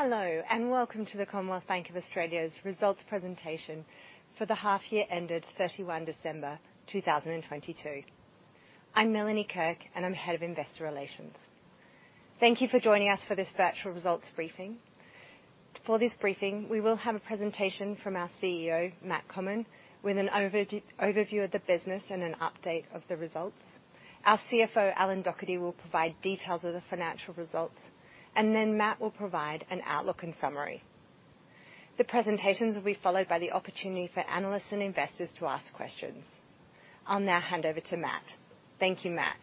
Hello and welcome to the Commonwealth Bank of Australia's Result’s Presentation for the Half-Year ended 31 December 2022. I'm Melanie Kirk, and I'm Head of Investor Relations. Thank you for joining us for this virtual results briefing. For this briefing, we will have a presentation from our CEO, Matt Comyn, with an overview of the business and an update of the results. Our CFO, Alan Docherty, will provide details of the financial results, and then Matt will provide an outlook and summary. The presentations will be followed by the opportunity for analysts and investors to ask questions. I'll now hand over to Matt. Thank you, Matt.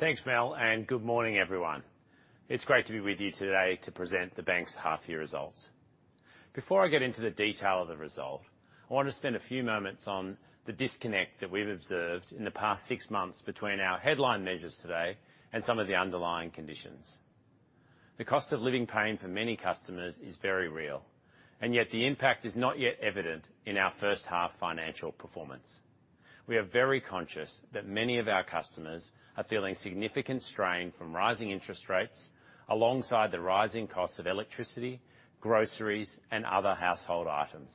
Thanks, Mel. Good morning, everyone. It's great to be with you today to present the bank's half-year results. Before I get into the detail of the result, I want to spend a few moments on the disconnect that we've observed in the past six months between our headline measures today and some of the underlying conditions. The cost of living pain for many customers is very real, yet the impact is not yet evident in our first-half financial performance. We are very conscious that many of our customers are feeling significant strain from rising interest rates alongside the rising costs of electricity, groceries, and other household items.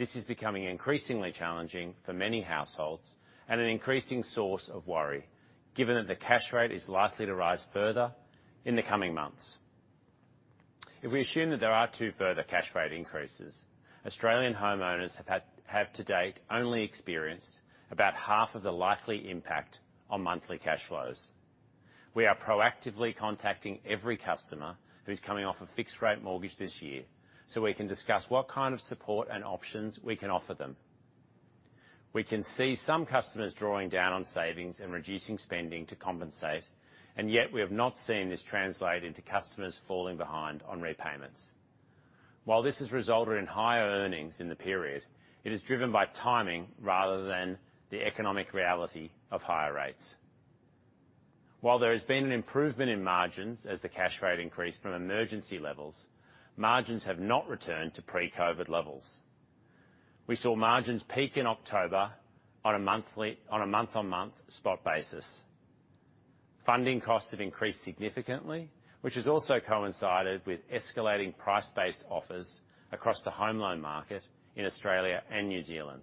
This is becoming increasingly challenging for many households and an increasing source of worry, given that the cash rate is likely to rise further in the coming months. If we assume that there are two further cash rate increases, Australian homeowners have to date only experienced about half of the likely impact on monthly cash flows. We are proactively contacting every customer who's coming off a fixed-rate mortgage this year so we can discuss what kind of support and options we can offer them. We can see some customers drawing down on savings and reducing spending to compensate. Yet we have not seen this translate into customers falling behind on repayments. While this has resulted in higher earnings in the period, it is driven by timing rather than the economic reality of higher rates. While there has been an improvement in margins as the cash rate increased from emergency levels, margins have not returned to pre-COVID levels. We saw margins peak in October on a month-on-month spot basis. Funding costs have increased significantly, which has also coincided with escalating price-based offers across the home loan market in Australia and New Zealand.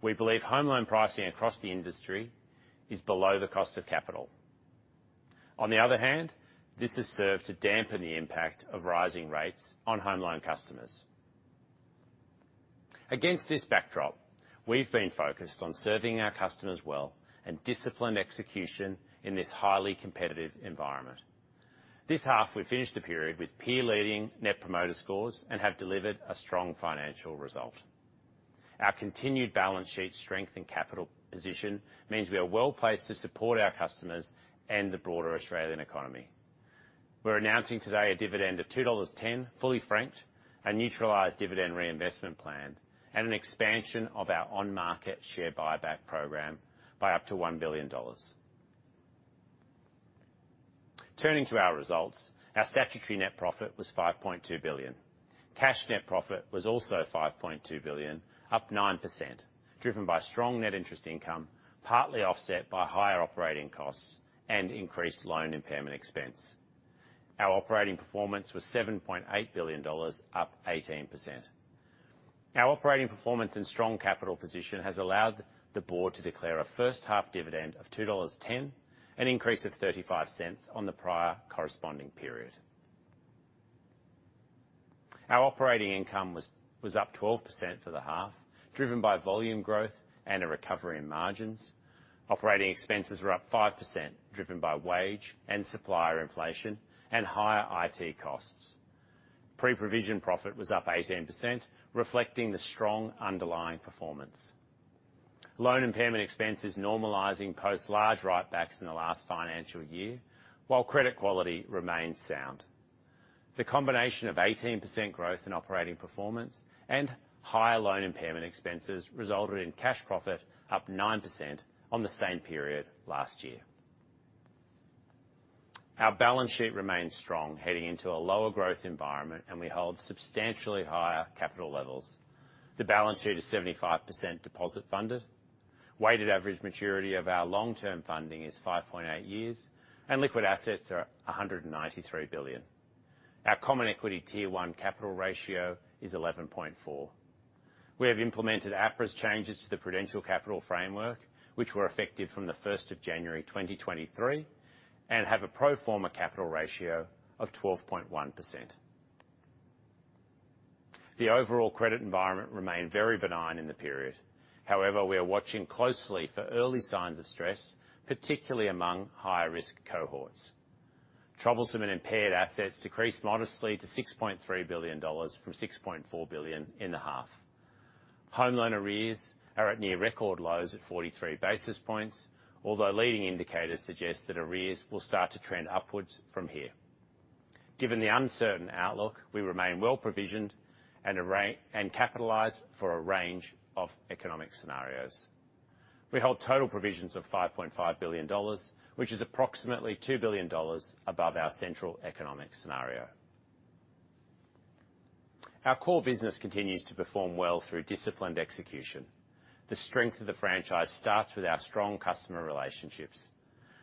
We believe home loan pricing across the industry is below the cost of capital. One the other hand, this has served to dampen the impact of rising rates on home loan customers. Against this backdrop, we've been focused on serving our customers well and disciplined execution in this highly competitive environment. This half, we've finished the period with peer-leading Net Promoter Scores and have delivered a strong financial result. Our continued balance sheet strength and capital position means we are well placed to support our customers and the broader Australian economy. We're announcing today a dividend of 2.10 dollars, fully franked, a neutralised dividend reinvestment plan, and an expansion of our on-market share buyback program by up to 1 billion dollars. Turning to our results, our statutory net profit was 5.2 billion. Cash net profit was also 5.2 billion, up 9%, driven by strong net interest income, partly offset by higher operating costs and increased loan impairment expense. Our operating performance was 7.8 billion dollars, up 18%. Our operating performance and strong capital position has allowed the board to declare a first-half dividend of 2.10 dollars, an increase of 0.35 on the prior corresponding period. Our operating income was up 12% for the half, driven by volume growth and a recovery in margins. Operating expenses were up 5%, driven by wage and supplier inflation and higher IT costs. Pre-provision profit was up 18%, reflecting the strong underlying performance. Loan impairment expense is normalising post-large writebacks in the last financial year, while credit quality remains sound. The combination of 18% growth in operating performance and higher loan impairment expenses resulted in cash profit up 9% on the same period last year. Our balance sheet remains strong heading into a lower growth environment, and we hold substantially higher capital levels. The balance sheet is 75% deposit-funded. Weighted average maturity of our long-term funding is 5.8 years, and liquid assets are 193 billion. Our Common Equity Tier 1 capital ratio is 11.4. We have implemented APRA's changes to the Prudential Capital Framework, which were effective from the 1st of January 2023, and have a pro forma capital ratio of 12.1%. The overall credit environment remained very benign in the period. However, we are watching closely for early signs of stress, particularly among high-risk cohorts. Troublesome and impaired assets decreased modestly to 6.3 billion dollars from 6.4 billion in the half. Home loan arrears are at near-record lows at 43 basis points, although leading indicators suggest that arrears will start to trend upwards from here. Given the uncertain outlook, we remain well provisioned and capitalized for a range of economic scenarios. We hold total provisions of 5.5 billion dollars, which is approximately 2 billion dollars above our central economic scenario. Our core business continues to perform well through disciplined execution. The strength of the franchise starts with our strong customer relationships.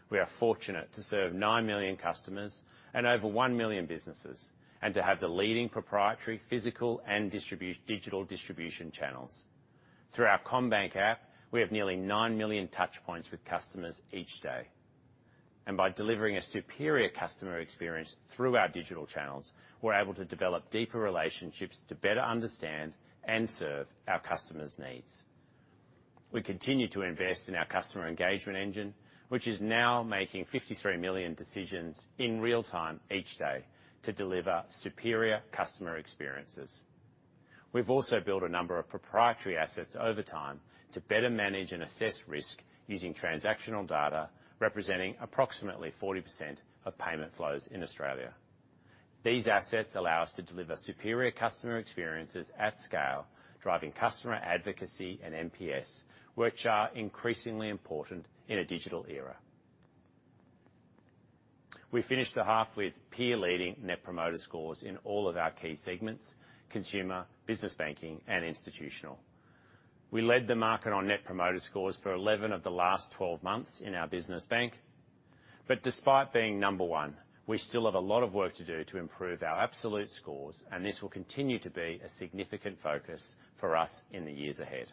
We are fortunate to serve nine million customers and over one million businesses and to have the leading proprietary physical and digital distribution channels. Through our CommBank app, we have nearly nine million touchpoints with customers each day. By delivering a superior customer experience through our digital channels, we're able to develop deeper relationships to better understand and serve our customers' needs. We continue to invest in our Customer Engagement Engine, which is now making 53 million decisions in real time each day to deliver superior customer experiences. We've also built a number of proprietary assets over time to better manage and assess risk using transactional data, representing approximately 40% of payment flows in Australia. These assets allow us to deliver superior customer experiences at scale, driving customer advocacy and NPS, which are increasingly important in a digital era. We finished the half with peer-leading Net Promoter Scores in all of our key segments: Consumer, Business Banking, and Institutional. We led the market on Net Promoter Scores for 11 of the last 12 months in our business bank. Despite being number one, we still have a lot of work to do to improve our absolute scores, and this will continue to be a significant focus for us in the years ahead.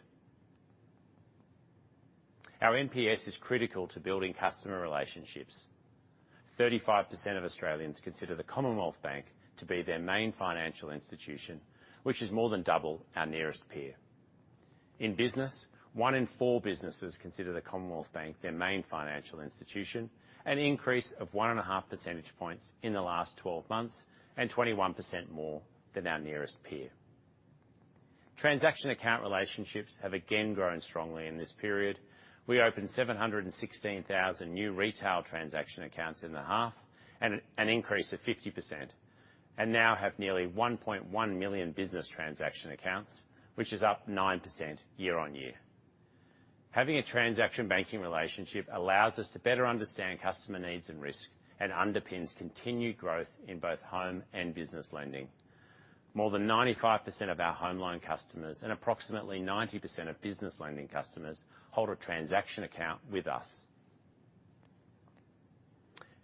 Our MPS is critical to building customer relationships. 35% of Australians consider the Commonwealth Bank to be their main financial institution, which is more than double our nearest peer. In business, one in four businesses consider the Commonwealth Bank their main financial institution, an increase of 1.5 percentage points in the last 12 months and 21% more than our nearest peer. Transaction account relationships have again grown strongly in this period. We opened 716,000 new retail transaction accounts in the half, an increase of 50%, and now have nearly 1.1 million business transaction accounts, which is up 9% year-on-year. Having a transaction banking relationship allows us to better understand customer needs and risk and underpins continued growth in both home and business lending. More than 95% of our home loan customers and approximately 90% of business lending customers hold a transaction account with us.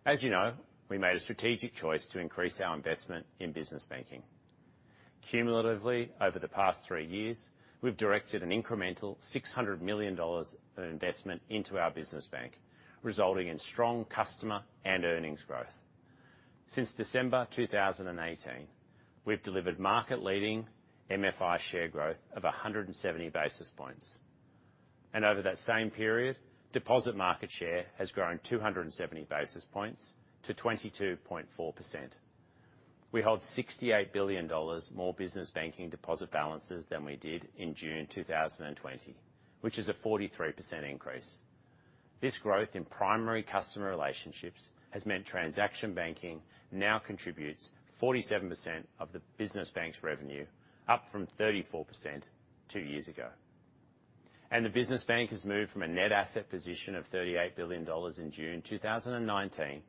As you know, we made a strategic choice to increase our investment in Business Banking. Cumulatively, over the past three years, we've directed an incremental 600 million dollars investment into our business bank, resulting in strong customer and earnings growth. Since December 2018, we've delivered market-leading MFI share growth of 170 basis points. Over that same period, deposit market share has grown 270 basis points to 22.4%. We hold 68 billion dollars more Business Banking deposit balances than we did in June 2020, which is a 43% increase. This growth in primary customer relationships has meant transaction banking now contributes 47% of the business bank's revenue, up from 34% two years ago. The business bank has moved from a net asset position of 38 billion dollars in June 2019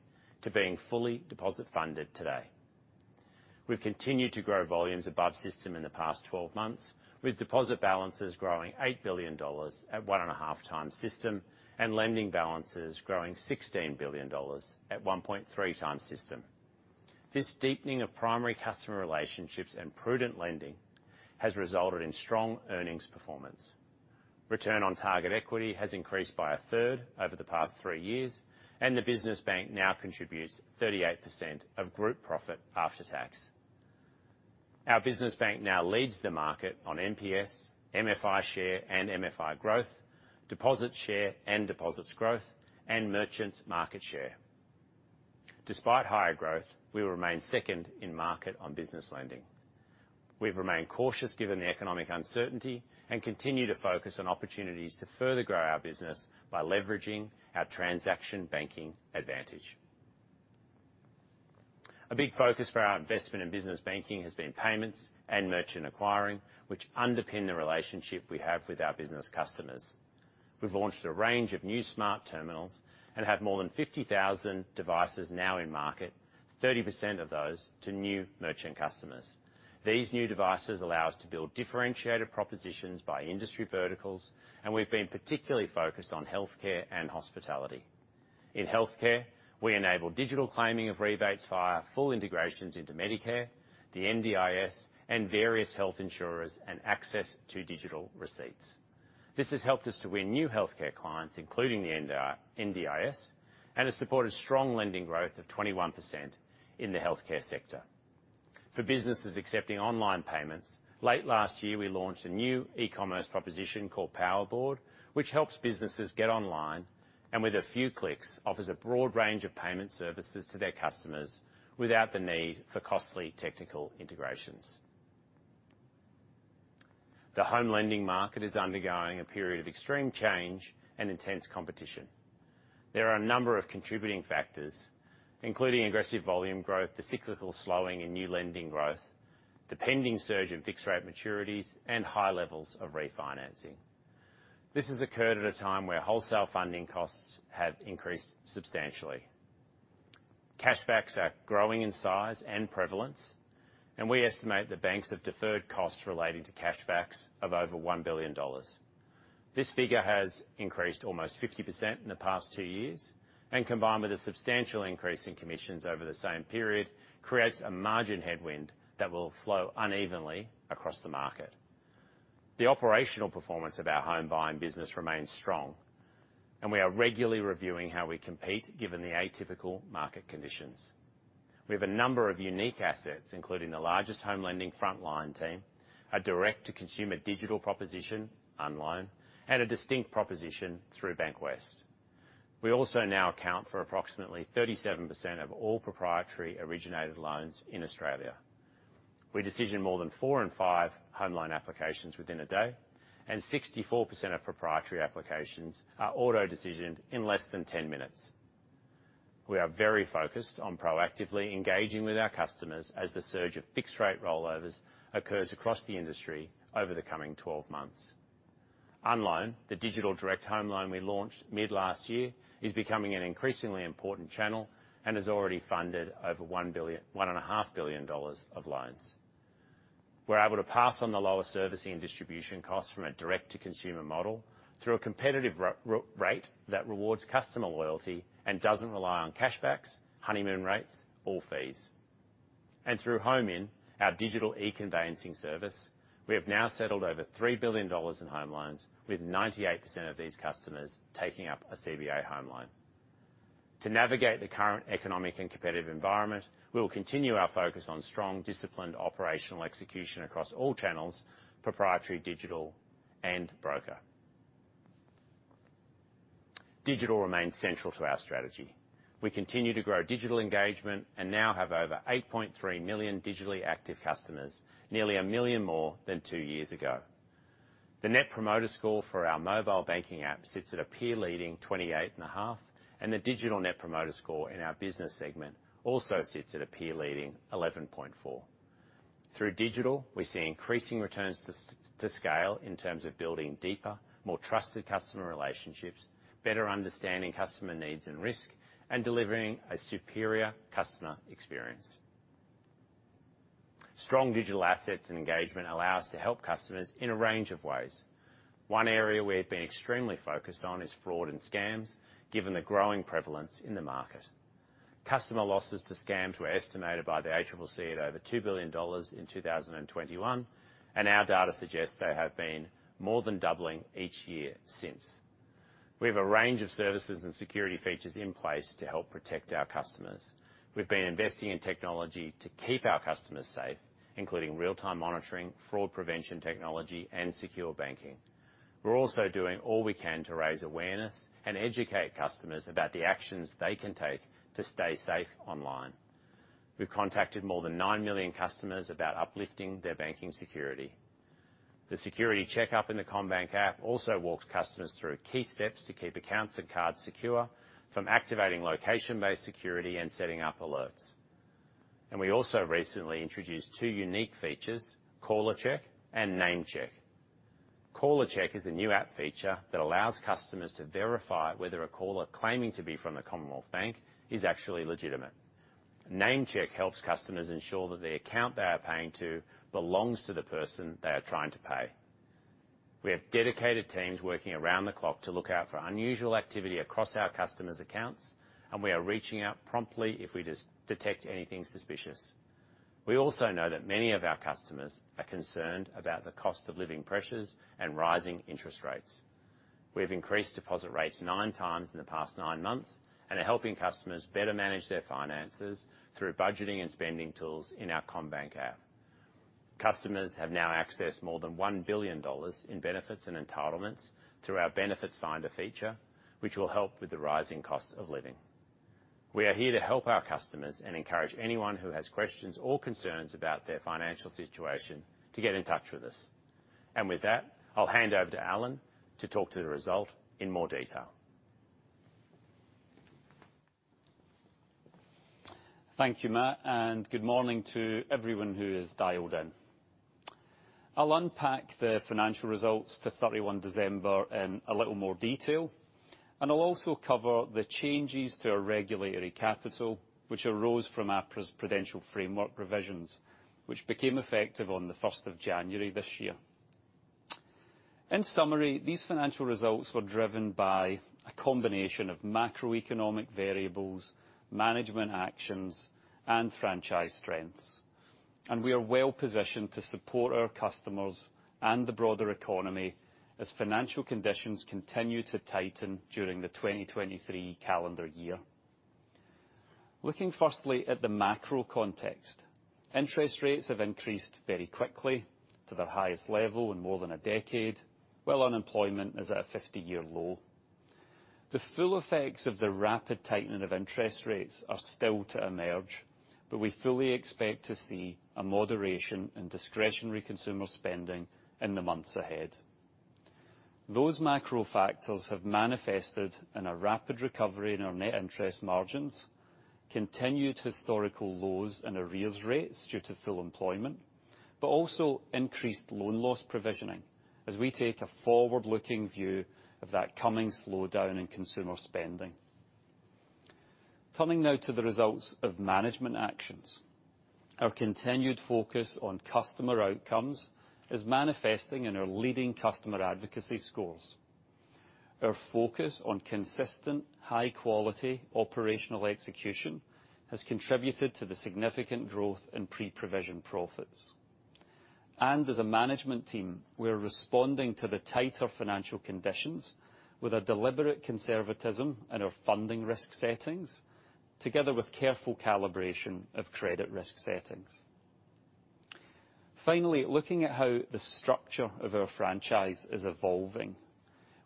to being fully deposit-funded today. We've continued to grow volumes above system in the past 12 months, with deposit balances growing 8 billion dollars at 1.5x system and lending balances growing 16 billion dollars at 1.3x system. This deepening of primary customer relationships and prudent lending has resulted in strong earnings performance. Return on target equity has increased by a third over the past three years, and the business bank now contributes 38% of group profit after tax. Our business bank now leads the market on MPS, MFI share and MFI growth, deposit share and deposits growth, and merchants' market share. Despite higher growth, we will remain second in market on business lending. We've remained cautious given the economic uncertainty and continue to focus on opportunities to further grow our business by leveraging our transaction banking advantage. A big focus for our investment in Business Banking has been payments and merchant acquiring, which underpin the relationship we have with our business customers. We've launched a range of new smart terminals and have more than 50,000 devices now in market, 30% of those to new merchant customers. These new devices allow us to build differentiated propositions by industry verticals, and we've been particularly focused on healthcare and hospitality. In healthcare, we enable digital claiming of rebates via full integrations into Medicare, the NDIS, and various health insurers and access to digital receipts. This has helped us to win new healthcare clients, including the NDIS, and has supported strong lending growth of 21% in the healthcare sector. For businesses accepting online payments, late last year we launched a new e-commerce proposition called PowerBoard, which helps businesses get online and, with a few clicks, offers a broad range of payment services to their customers without the need for costly technical integrations. The home lending market is undergoing a period of extreme change and intense competition. There are a number of contributing factors, including aggressive volume growth, the cyclical slowing in new lending growth, the pending surge in fixed-rate maturities, and high levels of refinancing. This has occurred at a time where wholesale funding costs have increased substantially. Cashbacks are growing in size and prevalence, and we estimate the banks have deferred costs relating to cashbacks of over 1 billion dollars. This figure has increased almost 50% in the past two years, and combined with a substantial increase in commissions over the same period, creates a margin headwind that will flow unevenly across the market. The operational performance of our home buying business remains strong, and we are regularly reviewing how we compete given the atypical market conditions. We have a number of unique assets, including the largest home lending frontline team, a direct-to-consumer digital proposition, Unloan, and a distinct proposition through Bankwest. We also now account for approximately 37% of all proprietary originated loans in Australia. We decision more than four in five home loan applications within a day, and 64% of proprietary applications are auto-decisioned in less than 10 minutes. We are very focused on proactively engaging with our customers as the surge of fixed-rate roll-overs occurs across the industry over the coming 12 months. Unloan, the digital direct home loan we launched mid-last year, is becoming an increasingly important channel and has already funded over 1.5 billion of loans. We're able to pass on the lower servicing and distribution costs from a direct-to-consumer model through a competitive rate that rewards customer loyalty and doesn't rely on cashbacks, honeymoon rates, or fees. Through Home-in, our digital e-conveyancing service, we have now settled over 3 billion dollars in home loans, with 98% of these customers taking up a CBA home loan. To navigate the current economic and competitive environment, we will continue our focus on strong, disciplined operational execution across all channels: proprietary, digital, and broker. Digital remains central to our strategy. We continue to grow digital engagement and now have over 8.3 million digitally active customers, nearly a million more than two years ago. The Net Promoter Score for our mobile banking app sits at a peer-leading 28.5, and the digital Net Promoter Score in our business segment also sits at a peer-leading 11.4. Through digital, we see increasing returns to scale in terms of building deeper, more trusted customer relationships, better understanding customer needs and risk, and delivering a superior customer experience. Strong digital assets and engagement allow us to help customers in a range of ways. One area we have been extremely focused on is fraud and scams, given the growing prevalence in the market. Customer losses to scams were estimated by the ACCC at over 2 billion dollars in 2021, and our data suggests they have been more than doubling each year since. We have a range of services and security features in place to help protect our customers. We've been investing in technology to keep our customers safe, including real-time monitoring, fraud prevention technology, and secure banking. We're also doing all we can to raise awareness and educate customers about the actions they can take to stay safe online. We've contacted more than nine million customers about uplifting their banking security. The security checkup in the CommBank app also walks customers through key steps to keep accounts and cards secure, from activating location-based security and setting up alerts. We also recently introduced two unique features: CallerCheck and NameCheck. CallerCheck is a new app feature that allows customers to verify whether a caller claiming to be from the Commonwealth Bank is actually legitimate. NameCheck helps customers ensure that the account they are paying to belongs to the person they are trying to pay. We have dedicated teams working around the clock to look out for unusual activity across our customers' accounts, and we are reaching out promptly if we detect anything suspicious. We also know that many of our customers are concerned about the cost of living pressures and rising interest rates. We have increased deposit rates nine times in the past nine months and are helping customers better manage their finances through budgeting and spending tools in our CommBank app. Customers have now accessed more than 1 billion dollars in benefits and entitlements through our Benefits Finder feature, which will help with the rising cost of living. We are here to help our customers and encourage anyone who has questions or concerns about their financial situation to get in touch with us. With that, I'll hand over to Alan to talk to the result in more detail. Thank you, Matt. Good morning to everyone who is dialed in. I'll unpack the financial results to December 31 in a little more detail, and I'll also cover the changes to our regulatory capital, which arose from our Prudential Framework provisions, which became effective on the 1st of January this year. In summary, these financial results were driven by a combination of macroeconomic variables, management actions, and franchise strengths. We are well positioned to support our customers and the broader economy as financial conditions continue to tighten during the 2023 calendar year. Looking firstly at the macro context, interest rates have increased very quickly to their highest level in more than a decade, while unemployment is at a 50-year low. The full effects of the rapid tightening of interest rates are still to emerge, but we fully expect to see a moderation in discretionary Consumer spending in the months ahead. Those macro factors have manifested in a rapid recovery in our net interest margins, continued historical lows in arrears rates due to full employment, but also increased loan loss provisioning as we take a forward-looking view of that coming slowdown in consumer spending. Turning now to the results of management actions, our continued focus on customer outcomes is manifesting in our leading customer advocacy scores. Our focus on consistent, high-quality operational execution has contributed to the significant growth in pre-provision profits. As a management team, we are responding to the tighter financial conditions with a deliberate conservatism in our funding risk settings, together with careful calibration of credit risk settings. Finally, looking at how the structure of our franchise is evolving,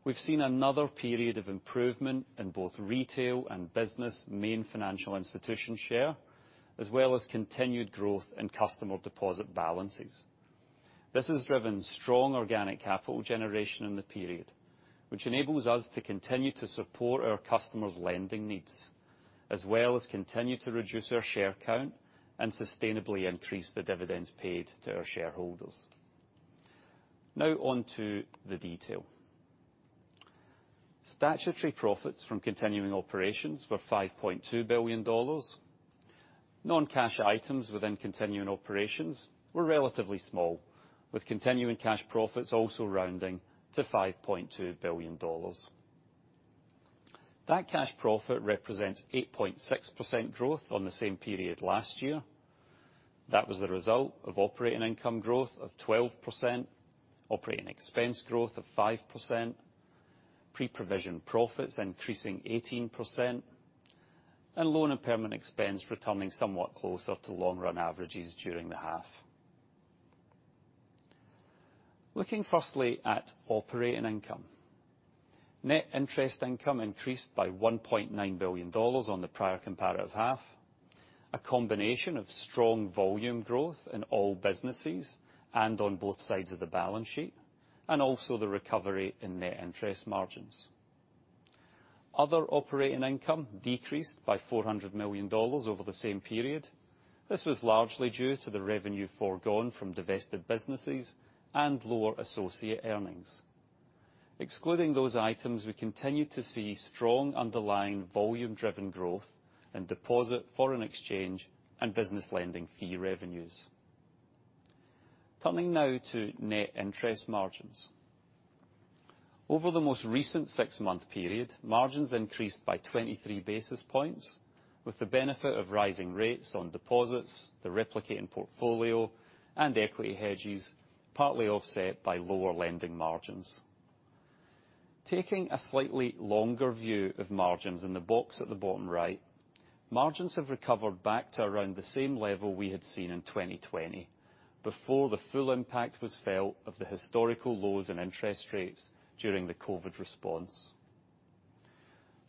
we've seen another period of improvement in both retail and business main financial institution share, as well as continued growth in customer deposit balances. This has driven strong organic capital generation in the period, which enables us to continue to support our customers' lending needs, as well as continue to reduce our share count and sustainably increase the dividends paid to our shareholders. Onto the detail. Statutory profits from continuing operations were 5.2 billion dollars. Non-cash items within continuing operations were relatively small, with continuing cash profits also rounding to 5.2 billion dollars. That cash profit represents 8.6% growth on the same period last year. That was the result of operating income growth of 12%, operating expense growth of 5%, pre-provision profits increasing 18%, and loan impairment expense returning somewhat closer to long-run averages during the half. Looking firstly at operating income, net interest income increased by 1.9 billion dollars on the prior comparative half, a combination of strong volume growth in all businesses and on both sides of the balance sheet, and also the recovery in net interest margins. Other operating income decreased by 400 million dollars over the same period. This was largely due to the revenue foregone from divested businesses and lower associate earnings. Excluding those items, we continue to see strong underlying volume-driven growth in deposit, foreign exchange, and business lending fee revenues. Turning now to net interest margins. Over the most recent six-month period, margins increased by 23 basis points, with the benefit of rising rates on deposits, the replicating portfolio, and equity hedges, partly offset by lower lending margins. Taking a slightly longer view of margins in the box at the bottom right, margins have recovered back to around the same level we had seen in 2020, before the full impact was felt of the historical lows in interest rates during the COVID response.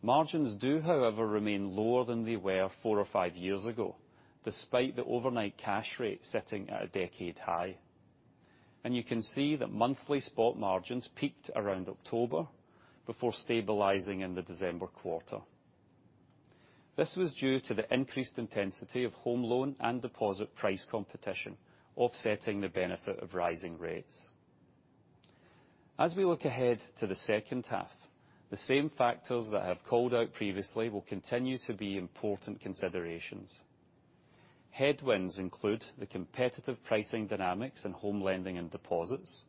Margins do, however, remain lower than they were four or five years ago, despite the overnight cash rate sitting at a decade high. You can see that monthly spot margins peaked around October before stabilizing in the December quarter. This was due to the increased intensity of home loan and deposit price competition, offsetting the benefit of rising rates. We look ahead to the second half, the same factors that have called out previously will continue to be important considerations. Headwinds include the competitive pricing dynamics in home lending and deposits,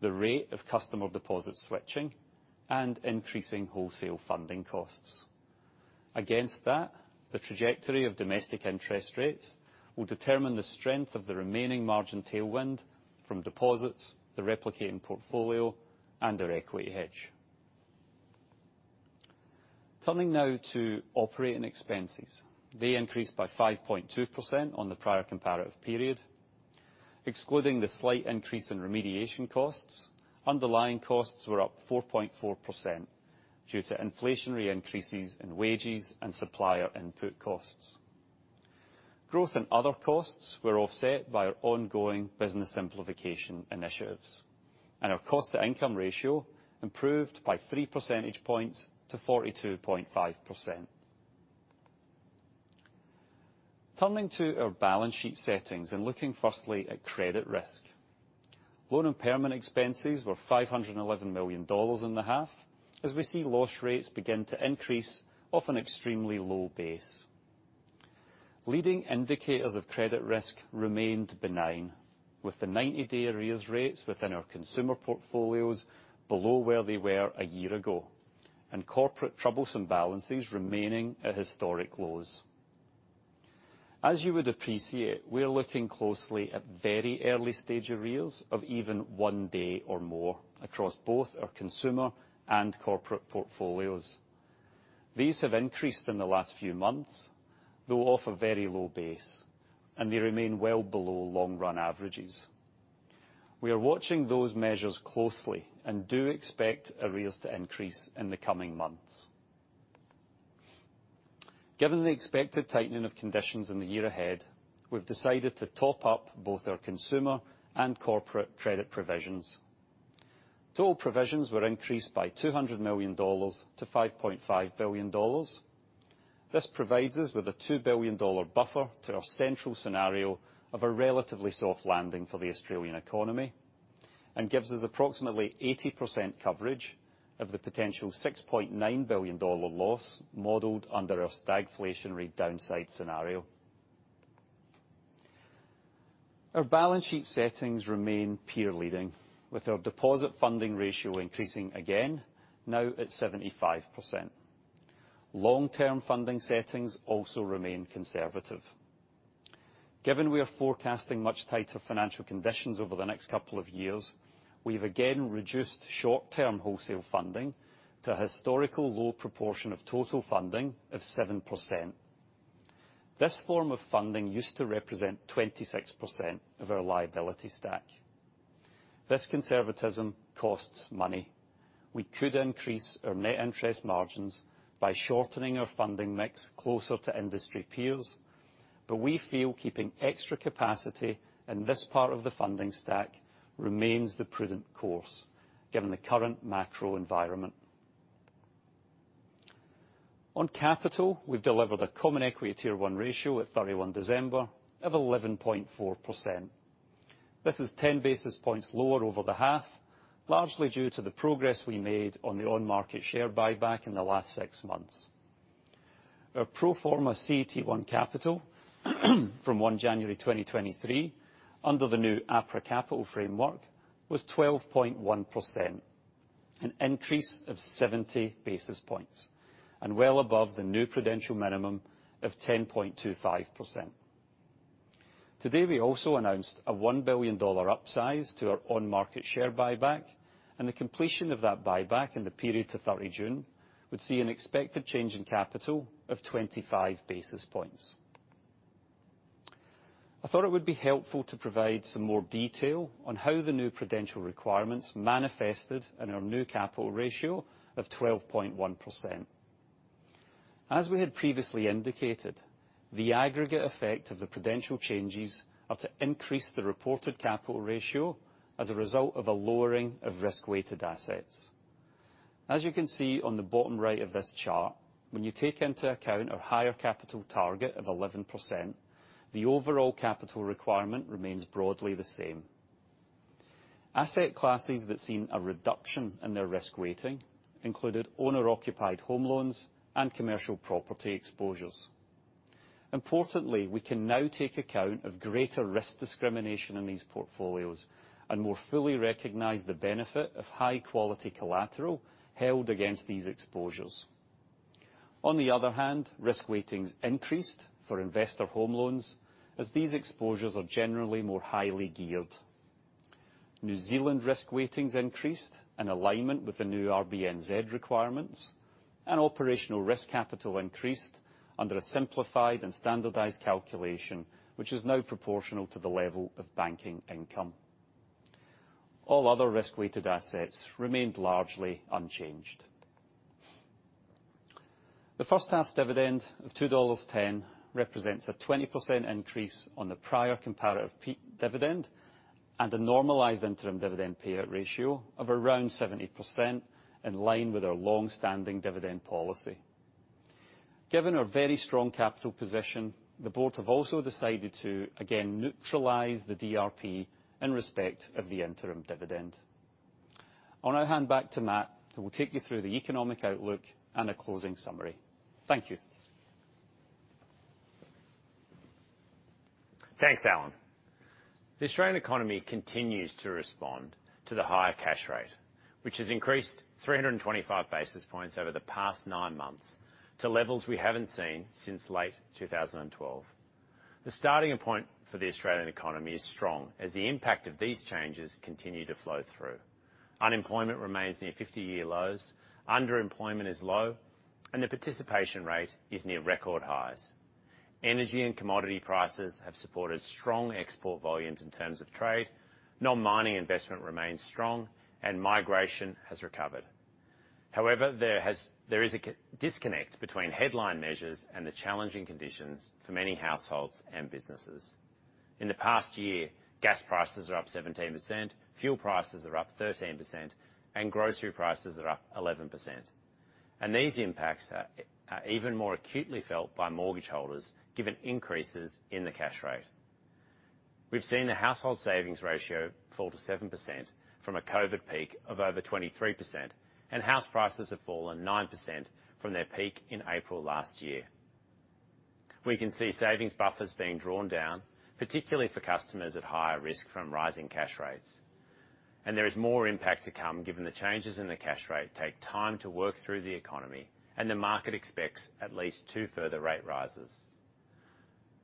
the rate of customer deposit switching, and increasing wholesale funding costs. Against that, the trajectory of domestic interest rates will determine the strength of the remaining margin tailwind from deposits, the replicating portfolio, and our equity hedge. Turning now to operating expenses, they increased by 5.2% on the prior comparative period. Excluding the slight increase in remediation costs, underlying costs were up 4.4% due to inflationary increases in wages and supplier input costs. Growth in other costs were offset by our ongoing business simplification initiatives. Our cost-to-income ratio improved by three percentage points to 42.5%. Turning to our balance sheet settings and looking firstly at credit risk, loan and permanent expenses were 511 million dollars in the half as we see loss rates begin to increase off an extremely low base. Leading indicators of credit risk remained benign, with the 90-day arrears rates within our Consumer portfolios below where they were a year ago, and corporate troublesome balances remaining at historic lows. As you would appreciate, we are looking closely at very early-stage arrears of even one day or more across both our Consumer and Corporate portfolios. These have increased in the last few months, though off a very low base, and they remain well below long-run averages. We are watching those measures closely and do expect arrears to increase in the coming months. Given the expected tightening of conditions in the year ahead, we've decided to top up both our Consumer and Corporate credit provisions. Total provisions were increased by 200 million dollars to 5.5 billion dollars. This provides us with an 2 billion dollar buffer to our central scenario of a relatively soft landing for the Australian economy and gives us approximately 80% coverage of the potential 6.9 billion dollar loss modeled under our stagflationary downside scenario. Our balance sheet settings remain peer-leading, with our deposit funding ratio increasing again, now at 75%. Long-term funding settings also remain conservative. Given we are forecasting much tighter financial conditions over the next couple of years, we've again reduced short-term wholesale funding to a historical low proportion of total funding of 7%. This form of funding used to represent 26% of our liability stack. This conservatism costs money. We could increase our net interest margins by shortening our funding mix closer to industry peers, we feel keeping extra capacity in this part of the funding stack remains the prudent course, given the current macro environment. On capital, we've delivered a Common Equity Tier 1 ratio at 31 December of 11.4%. This is 10 basis points lower over the half, largely due to the progress we made on the on-market share buyback in the last six months. Our pro forma CET1 capital from 1 January 2023, under the new APRA Capital Framework, was 12.1%, an increase of 70 basis points, and well above the new prudential minimum of 10.25%. Today, we also announced a 1 billion dollar upsize to our on-market share buyback, and the completion of that buyback in the period to 30 June would see an expected change in capital of 25 basis points. I thought it would be helpful to provide some more detail on how the new prudential requirements manifested in our new capital ratio of 12.1%. As we had previously indicated, the aggregate effect of the prudential changes are to increase the reported capital ratio as a result of a lowering of risk-weighted assets. As you can see on the bottom right of this chart, when you take into account our higher capital target of 11%, the overall capital requirement remains broadly the same. Asset classes that seen a reduction in their risk weighting included owner-occupied home loans and commercial property exposures. Importantly, we can now take account of greater risk discrimination in these portfolios and more fully recognize the benefit of high-quality collateral held against these exposures. On the other hand, risk weightings increased for investor home loans as these exposures are generally more highly geared. New Zealand risk weightings increased in alignment with the new RBNZ requirements. Operational risk capital increased under a simplified and standardized calculation, which is now proportional to the level of banking income. All other risk-weighted assets remained largely unchanged. The first-half dividend of 2.10 dollars represents a 20% increase on the prior comparative dividend and a normalized interim dividend payout ratio of around 70%, in line with our longstanding dividend policy. Given our very strong capital position, the board have also decided to, again, neutralize the DRP in respect of the interim dividend. I'll now hand back to Matt, who will take you through the economic outlook and a closing summary. Thank you. Thanks, Alan. The Australian economy continues to respond to the higher cash rate, which has increased 325 basis points over the past nine months to levels we haven't seen since late 2012. The starting point for the Australian economy is strong as the impact of these changes continue to flow through. Unemployment remains near 50-year lows, underemployment is low, and the participation rate is near record highs. Energy and commodity prices have supported strong export volumes in terms of trade, non-mining investment remains strong, and migration has recovered. However, there is a disconnect between headline measures and the challenging conditions for many households and businesses. In the past year, gas prices are up 17%, fuel prices are up 13%, and grocery prices are up 11%. These impacts are even more acutely felt by mortgage holders given increases in the cash rate. We've seen the household savings ratio fall to 7% from a COVID peak of over 23%, and house prices have fallen 9% from their peak in April last year. We can see savings buffers being drawn down, particularly for customers at higher risk from rising cash rates. There is more impact to come given the changes in the cash rate take time to work through the economy, and the market expects at least two further rate rises.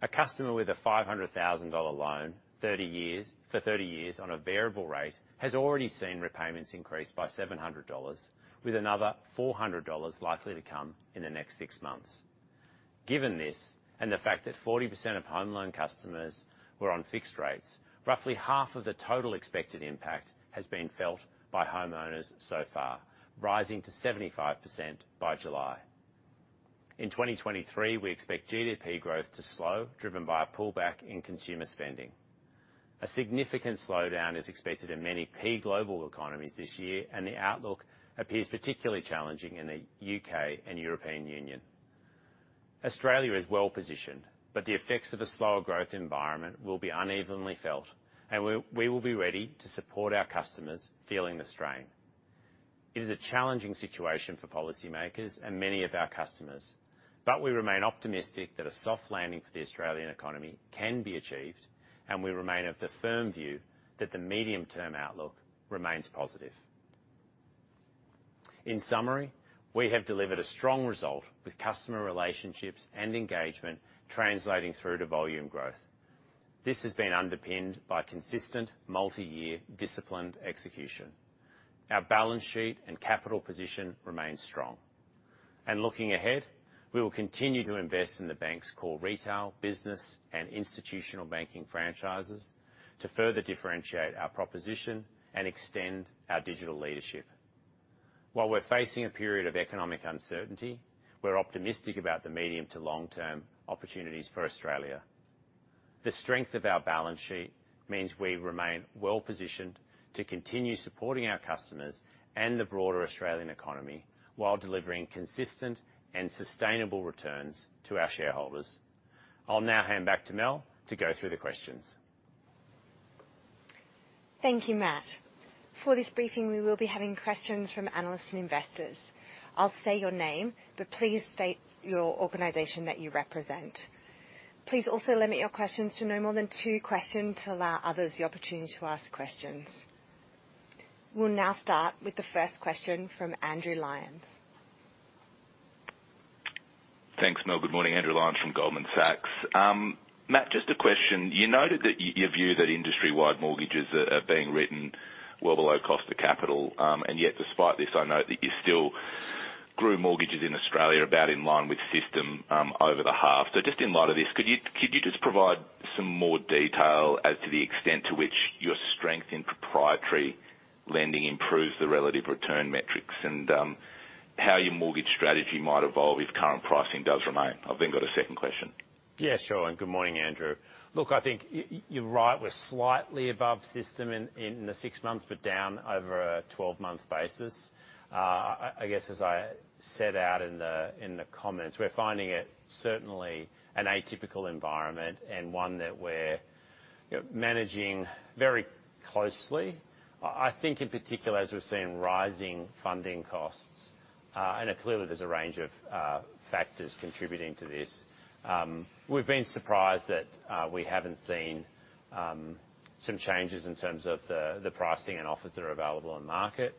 A customer with a $500,000 loan for 30 years on a variable rate has already seen repayments increase by $700, with another $400 likely to come in the next six months. Given this, and the fact that 40% of home loan customers were on fixed rates, roughly half of the total expected impact has been felt by homeowners so far, rising to 75% by July. In 2023, we expect GDP growth to slow, driven by a pullback in consumer spending. A significant slowdown is expected in many peak global economies this year, and the outlook appears particularly challenging in the U.K. and European Union. Australia is well-positioned, but the effects of a slower growth environment will be unevenly felt, and we will be ready to support our customers feeling the strain. It is a challenging situation for policymakers and many of our customers, but we remain optimistic that a soft landing for the Australian economy can be achieved, and we remain of the firm view that the medium-term outlook remains positive. In summary, we have delivered a strong result with customer relationships and engagement translating through to volume growth. This has been underpinned by consistent, multi-year, disciplined execution. Our balance sheet and capital position remain strong. Looking ahead, we will continue to invest in the bank's core retail, business, and Institutional banking franchises to further differentiate our proposition and extend our digital leadership. While we're facing a period of economic uncertainty, we're optimistic about the medium to long-term opportunities for Australia. The strength of our balance sheet means we remain well-positioned to continue supporting our customers and the broader Australian economy while delivering consistent and sustainable returns to our shareholders. I'll now hand back to Mel to go through the questions. Thank you, Matt. For this briefing, we will be having questions from analysts and investors. I'll say your name, but please state your organization that you represent. Please also limit your questions to no more than two questions to allow others the opportunity to ask questions. We'll now start with the first question from Andrew Lyons. Thanks, Mel. Good morning, Andrew Lyons from Goldman Sachs. Matt, just a question. You noted your view that industry-wide mortgages are being written well below cost of capital, and yet despite this, I note that you still grew mortgages in Australia about in line with system over the half. Just in light of this, could you just provide some more detail as to the extent to which your strength in proprietary lending improves the relative return metrics and how your mortgage strategy might evolve if current pricing does remain? I've got a second question. Yeah, sure. Good morning, Andrew. Look, I think you're right. We're slightly above system in the six months, but down over a 12-month basis. I guess as I set out in the comments, we're finding it certainly an atypical environment and one that we're managing very closely. I think in particular, as we've seen rising funding costs, and clearly, there's a range of factors contributing to this, we've been surprised that we haven't seen some changes in terms of the pricing and offers that are available on market.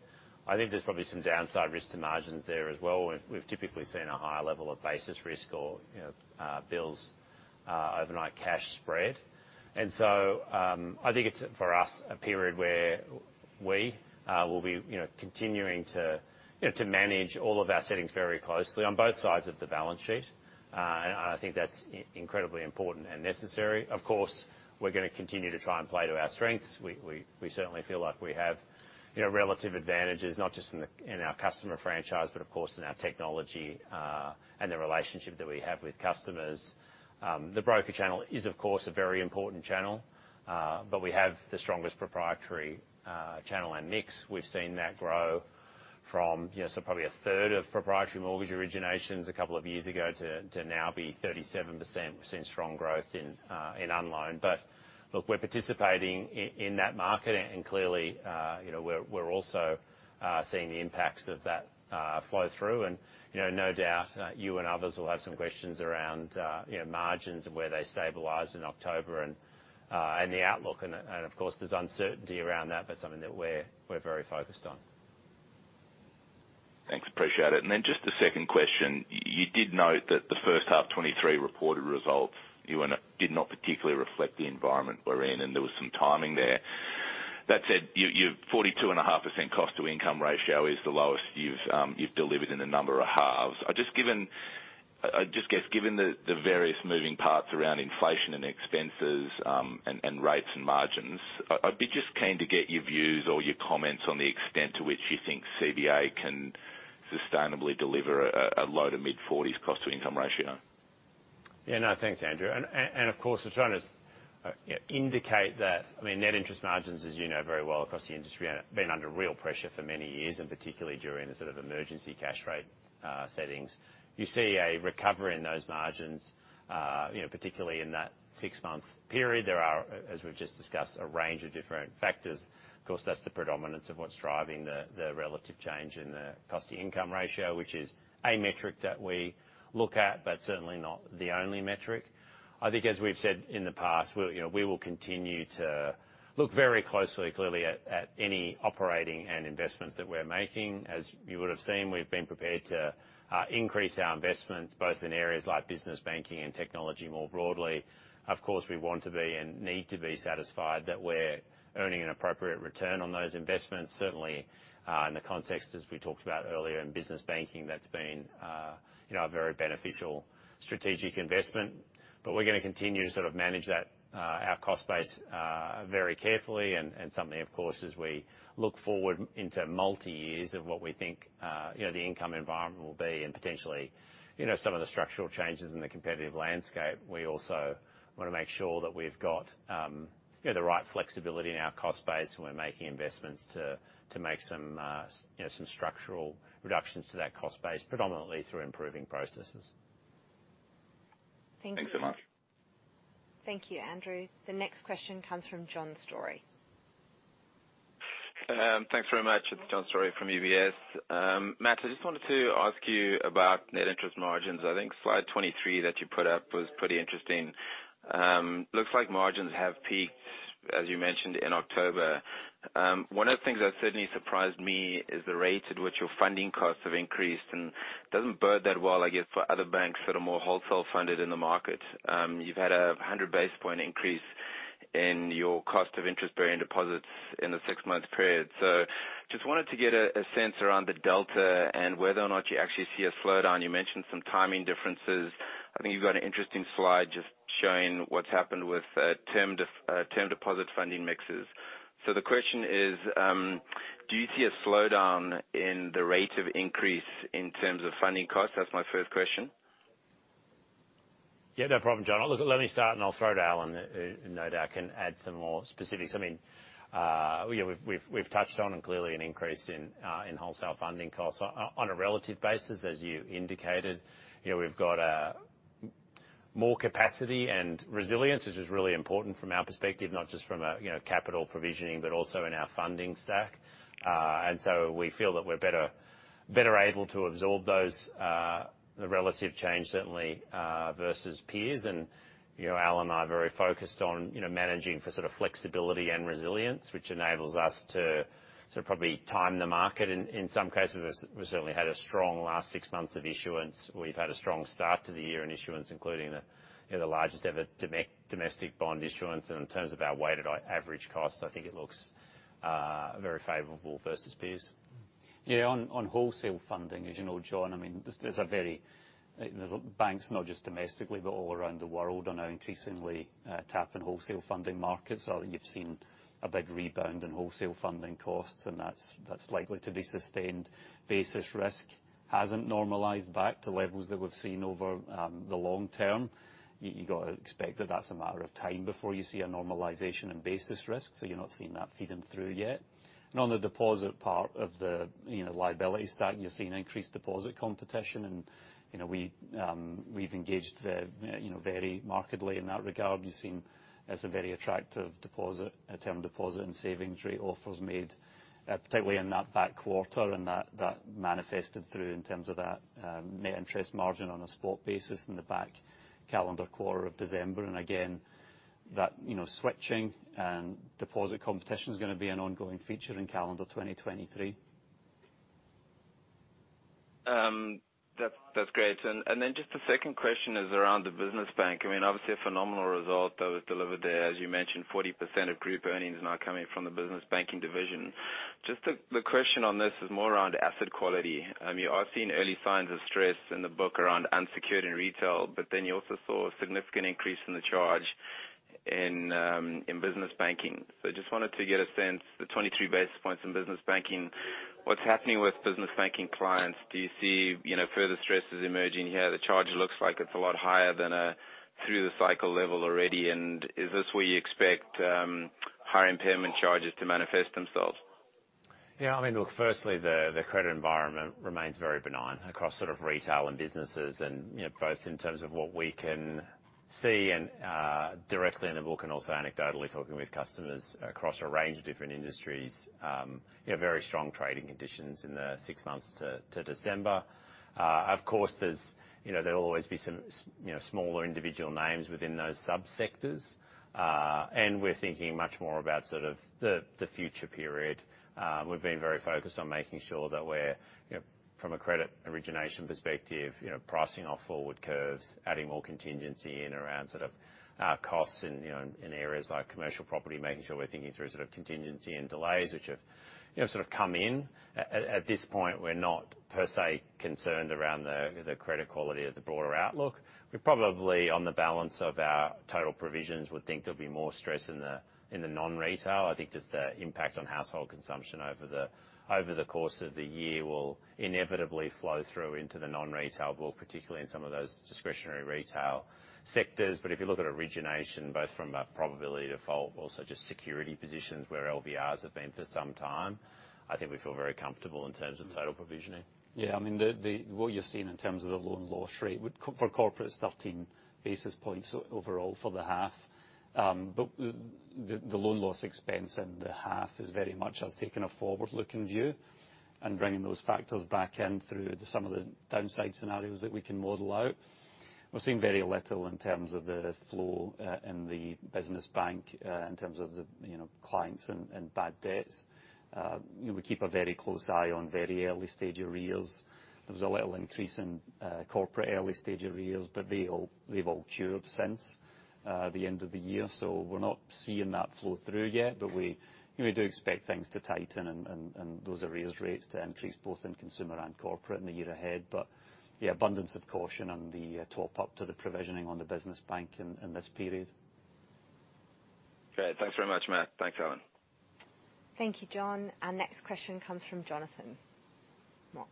I think there's probably some downside risk to margins there as well. We've typically seen a higher level of basis risk or bills overnight cash spread. I think it's for us a period where we will be continuing to manage all of our settings very closely on both sides of the balance sheet, and I think that's incredibly important and necessary. Of course, we're going to continue to try and play to our strengths. We certainly feel like we have relative advantages, not just in our customer franchise, but of course in our technology and the relationship that we have with customers. The broker channel is, of course, a very important channel, but we have the strongest proprietary channel and mix. We've seen that grow from so probably a third of proprietary mortgage originations a couple of years ago to now be 37%. We've seen strong growth in Unloan. Look, we're participating in that market, and clearly, we're also seeing the impacts of that flow through. No doubt, you and others will have some questions around margins and where they stabilized in October and the outlook. Of course, there's uncertainty around that, but something that we're very focused on. Thanks. Appreciate it. Just a second question. You did note that the first half 2023 reported results did not particularly reflect the environment we're in, and there was some timing there. That said, your 42.5% cost-to-income ratio is the lowest you've delivered in a number of halves. I just guess given the various moving parts around inflation and expenses and rates and margins, I'd be just keen to get your views or your comments on the extent to which you think CBA can sustainably deliver a low to mid-40s cost-to-income ratio. Yeah, no, thanks, Andrew. Of course, we're trying to indicate that I mean, net interest margins, as you know very well across the industry, have been under real pressure for many years, and particularly during the sort of emergency cash rate settings. You see a recovery in those margins, particularly in that six-month period. There are, as we've just discussed, a range of different factors. Of course, that's the predominance of what's driving the relative change in the cost-to-income ratio, which is a metric that we look at, but certainly not the only metric. I think as we've said in the past, we will continue to look very closely, clearly, at any operating and investments that we're making. As you would have seen, we've been prepared to increase our investments both in areas like Business Banking and technology more broadly. Of course, we want to be and need to be satisfied that we're earning an appropriate return on those investments, certainly in the context, as we talked about earlier, in Business Banking that's been a very beneficial strategic investment. We're going to continue to sort of manage our cost base very carefully. Something, of course, as we look forward into multi-years of what we think the income environment will be and potentially some of the structural changes in the competitive landscape, we also want to make sure that we've got the right flexibility in our cost base when we're making investments to make some structural reductions to that cost base, predominantly through improving processes. Thank you. Thanks so much. Thank you, Andrew. The next question comes from John Storey. Thanks very much. It's John Storey from UBS. Matt, I just wanted to ask you about net interest margins. I think slide 23 that you put up was pretty interesting. Looks like margins have peaked, as you mentioned, in October. One of the things that certainly surprised me is the rate at which your funding costs have increased, and it doesn't bode that well, I guess, for other banks that are more wholesale-funded in the market. You've had a 100-basis point increase in your cost of interest bearing deposits in the six-month period. Just wanted to get a sense around the delta and whether or not you actually see a slowdown. You mentioned some timing differences. I think you've got an interesting slide just showing what's happened with term deposit funding mixes. The question is, do you see a slowdown in the rate of increase in terms of funding costs? That's my first question. No problem, John. Look, let me start, and I'll throw to Alan, no doubt, can add some more specifics. I mean, we've touched on them clearly, an increase in wholesale funding costs. On a relative basis, as you indicated, we've got more capacity and resilience, which is really important from our perspective, not just from capital provisioning, but also in our funding stack. We feel that we're better able to absorb the relative change, certainly, versus peers. Alan and I are very focused on managing for sort of flexibility and resilience, which enables us to probably time the market. In some cases, we've certainly had a strong last six months of issuance. We've had a strong start to the year in issuance, including the largest-ever domestic bond issuance. In terms of our weighted average cost, I think it looks very favourable versus peers. On wholesale funding, as you know, John, I mean, there's banks, not just domestically, but all around the world, on our increasingly tapping wholesale funding markets. You've seen a big rebound in wholesale funding costs, and that's likely to be sustained. Basis risk hasn't normalized back to levels that we've seen over the long term. You've got to expect that that's a matter of time before you see a normalization in basis risk, so you're not seeing that feeding through yet. On the deposit part of the liability stack, you've seen increased deposit competition, and we've engaged very markedly in that regard. You've seen it's a very attractive term deposit and savings rate offers made, particularly in that back quarter, and that manifested through in terms of that net interest margin on a spot basis in the back calendar quarter of December. Again, that switching and deposit competition is going to be an ongoing feature in calendar 2023. That's great. Just the second question is around the Business Bank. I mean, obviously, a phenomenal result that was delivered there. As you mentioned, 40% of group earnings now coming from the Business Banking division. Just the question on this is more around asset quality. I mean, I've seen early signs of stress in the book around unsecured and retail, you also saw a significant increase in the charge in Business Banking. I just wanted to get a sense, the 23 basis points in Business Banking, what's happening with Business Banking clients? Do you see further stresses emerging here? The charge looks like it's a lot higher than a through-the-cycle level already. Is this where you expect higher impairment charges to manifest themselves? I mean, look, firstly, the credit environment remains very benign across sort of retail and businesses, both in terms of what we can see directly in the book and also anecdotally talking with customers across a range of different industries. Very strong trading conditions in the six months to December. Of course, there'll always be some smaller individual names within those subsectors, and we're thinking much more about sort of the future period. We've been very focused on making sure that we're, from a credit origination perspective, pricing off forward curves, adding more contingency in around sort of costs in areas like commercial property, making sure we're thinking through sort of contingency and delays, which have sort of come in. At this point, we're not, per se, concerned around the credit quality or the broader outlook. We probably, on the balance of our total provisions, would think there'll be more stress in the non-retail. I think just the impact on household consumption over the course of the year will inevitably flow through into the non-retail book, particularly in some of those discretionary retail sectors. If you look at origination, both from a probability default, also just security positions where LVRs have been for some time, I think we feel very comfortable in terms of total provisioning. I mean, what you're seeing in terms of the loan loss rate, for corporate, 13 basis points overall for the half. The loan loss expense in the half is very much us taking a forward-looking view and bringing those factors back in through some of the downside scenarios that we can model out. We're seeing very little in terms of the flow in the business bank in terms of the clients and bad debts. We keep a very close eye on very early-stage arrears. There was a little increase in corporate early-stage arrears, but they've all cured since the end of the year. We're not seeing that flow through yet, but we do expect things to tighten and those arrears rates to increase both in Consumer and corporate in the year ahead. Yeah, abundance of caution and the top-up to the provisioning on the business bank in this period. Great. Thanks very much, Matt. Thanks, Alan. Thank you, John. Our next question comes from Jonathan Mott.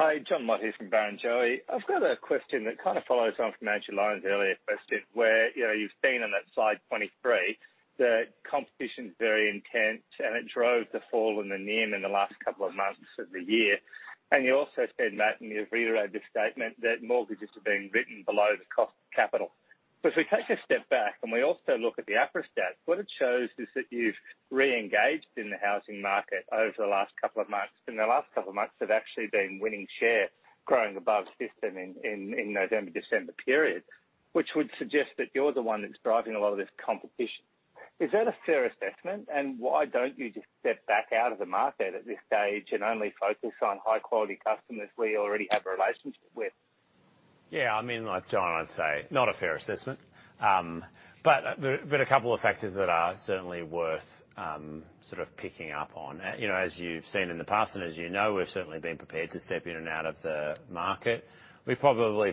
Hi, Jon Mott. Here's from Barrenjoey. I've got a question that kind of follows on from Andrew Lyons' earlier question where you've seen on that slide 23 that competition's very intense, and it drove the fall in the NIM in the last couple of months of the year. You also said, Matt, and you've reiterated this statement, that mortgages have been written below the cost of capital. If we take a step back and we also look at the APRA stats, what it shows is that you've re-engaged in the housing market over the last couple of months. The last couple of months have actually been winning share, growing above system in November-December period, which would suggest that you're the one that's driving a lot of this competition. Is that a fair assessment? Why don't you just step back out of the market at this stage and only focus on high-quality customers we already have a relationship with? Yeah. I mean, like Jon, I'd say not a fair assessment, but a couple of factors that are certainly worth sort of picking up on. As you've seen in the past and as you know, we've certainly been prepared to step in and out of the market. If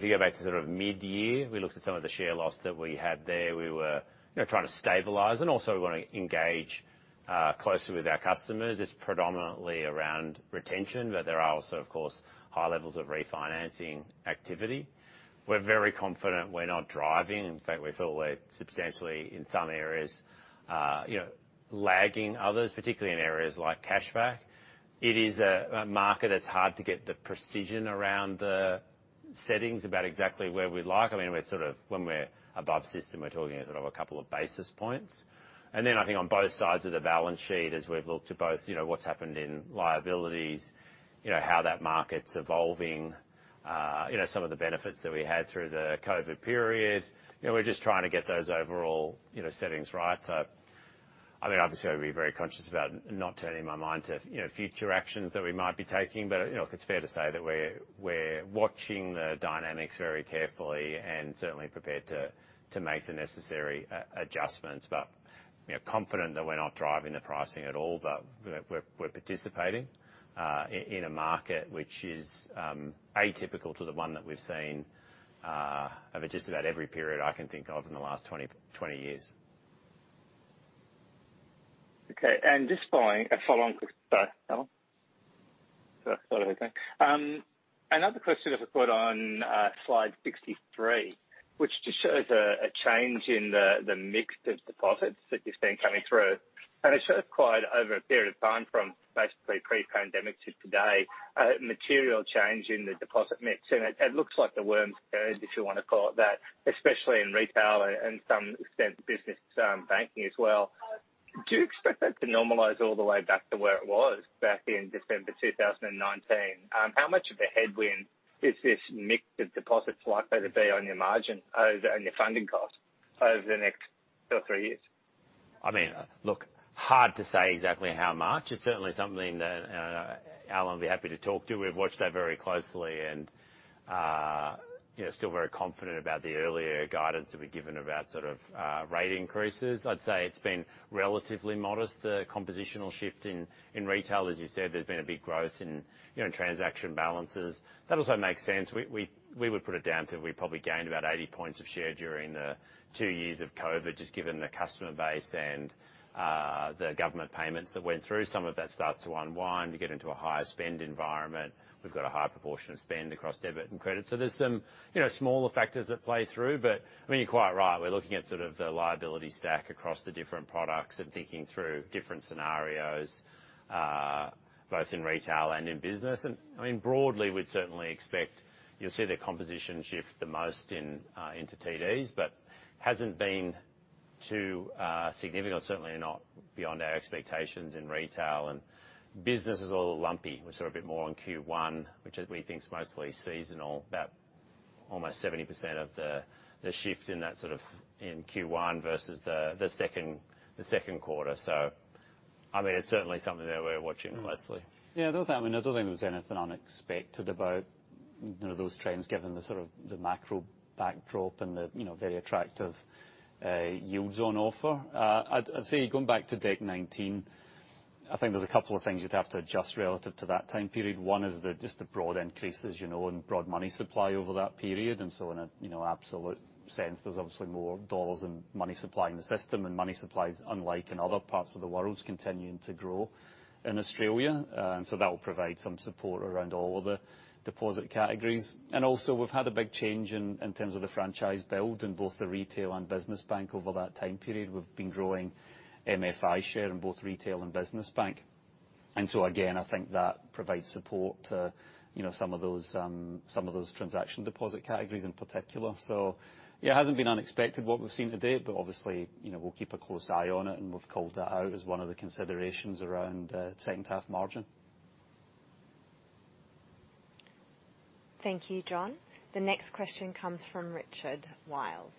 you go back to sort of mid-year, we looked at some of the share loss that we had there. We were trying to stabilize, and also we want to engage closely with our customers. It's predominantly around retention, but there are also, of course, high levels of refinancing activity. We're very confident we're not driving. In fact, we feel we're substantially, in some areas, lagging others, particularly in areas like cashback. It is a market that's hard to get the precision around the settings about exactly where we'd like. I mean, when we're above system, we're talking sort of a couple of basis points. I think on both sides of the balance sheet, as we've looked at both what's happened in liabilities, how that market's evolving, some of the benefits that we had through the COVID period, we're just trying to get those overall settings right. I mean, obviously, I'd be very conscious about not turning my mind to future actions that we might be taking, but it's fair to say that we're watching the dynamics very carefully and certainly prepared to make the necessary adjustments. Confident that we're not driving the pricing at all, but we're participating in a market which is atypical to the one that we've seen over just about every period I can think of in the last 20 years. Okay. Just following a follow-on question, sorry, Alan. Sorry to interrupt. Another question that we put on slide 63, which just shows a change in the mix of deposits that you've seen coming through. It shows quite over a period of time from basically pre-pandemic to today, a material change in the deposit mix. It looks like the worm's buried, if you want to call it that, especially in retail and, to some extent, Business Banking as well. Do you expect that to normalize all the way back to where it was back in December 2019? How much of a headwind is this mix of deposits likely to be on your margin and your funding cost over the next two or three years? I mean, look, hard to say exactly how much. It's certainly something that Alan would be happy to talk to. We've watched that very closely and still very confident about the earlier guidance that we've given about sort of rate increases. I'd say it's been relatively modest, the compositional shift in retail. As you said, there's been a big growth in transaction balances. That also makes sense. We would put it down to we probably gained about 80 points of share during the two years of COVID, just given the customer base and the government payments that went through. Some of that starts to unwind. You get into a higher spend environment. We've got a high proportion of spend across debit and credit. There's some smaller factors that play through, but I mean, you're quite right. We're looking at sort of the liability stack across the different products and thinking through different scenarios, both in retail and in business. Broadly, we'd certainly expect you'll see the composition shift the most into TDs, but hasn't been too significant, certainly not beyond our expectations in retail. Business is a little lumpy. We're sort of a bit more on Q1, which we think's mostly seasonal, about almost 70% of the shift in Q1 versus the second quarter. It's certainly something that we're watching closely. Yeah. I mean, I don't think there was anything unexpected about those trends, given the sort of macro backdrop and the very attractive yield zone offer. I'd say going back to deck 10, I think there's a couple of things you'd have to adjust relative to that time period. One is just the broad increases and broad money supply over that period. In an absolute sense, there's obviously more dollars and money supply in the system, and money supply, unlike in other parts of the world's, continuing to grow in Australia. That will provide some support around all of the deposit categories. Also, we've had a big change in terms of the franchise build in both the retail and business bank over that time period. We've been growing MFI share in both retail and business bank. Again, I think that provides support to some of those transaction deposit categories in particular. Yeah, it hasn't been unexpected what we've seen today, but obviously, we'll keep a close eye on it, and we've called that out as one of the considerations around second-half margin. Thank you, Jon. The next question comes from Richard Wiles.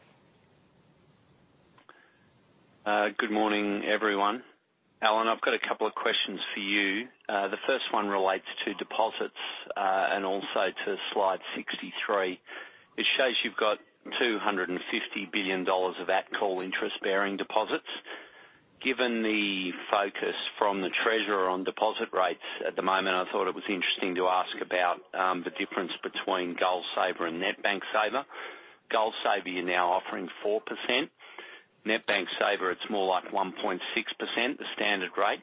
Good morning, everyone. Alan, I've got a couple of questions for you. The first one relates to deposits and also to slide 63. It shows you've got 250 billion dollars of at-call interest-bearing deposits. Given the focus from the Treasurer on deposit rates at the moment, I thought it was interesting to ask about the difference between GoalSaver and NetBank Saver. GoalSaver, you're now offering 4%. NetBank Saver, it's more like 1.6%, the standard rate.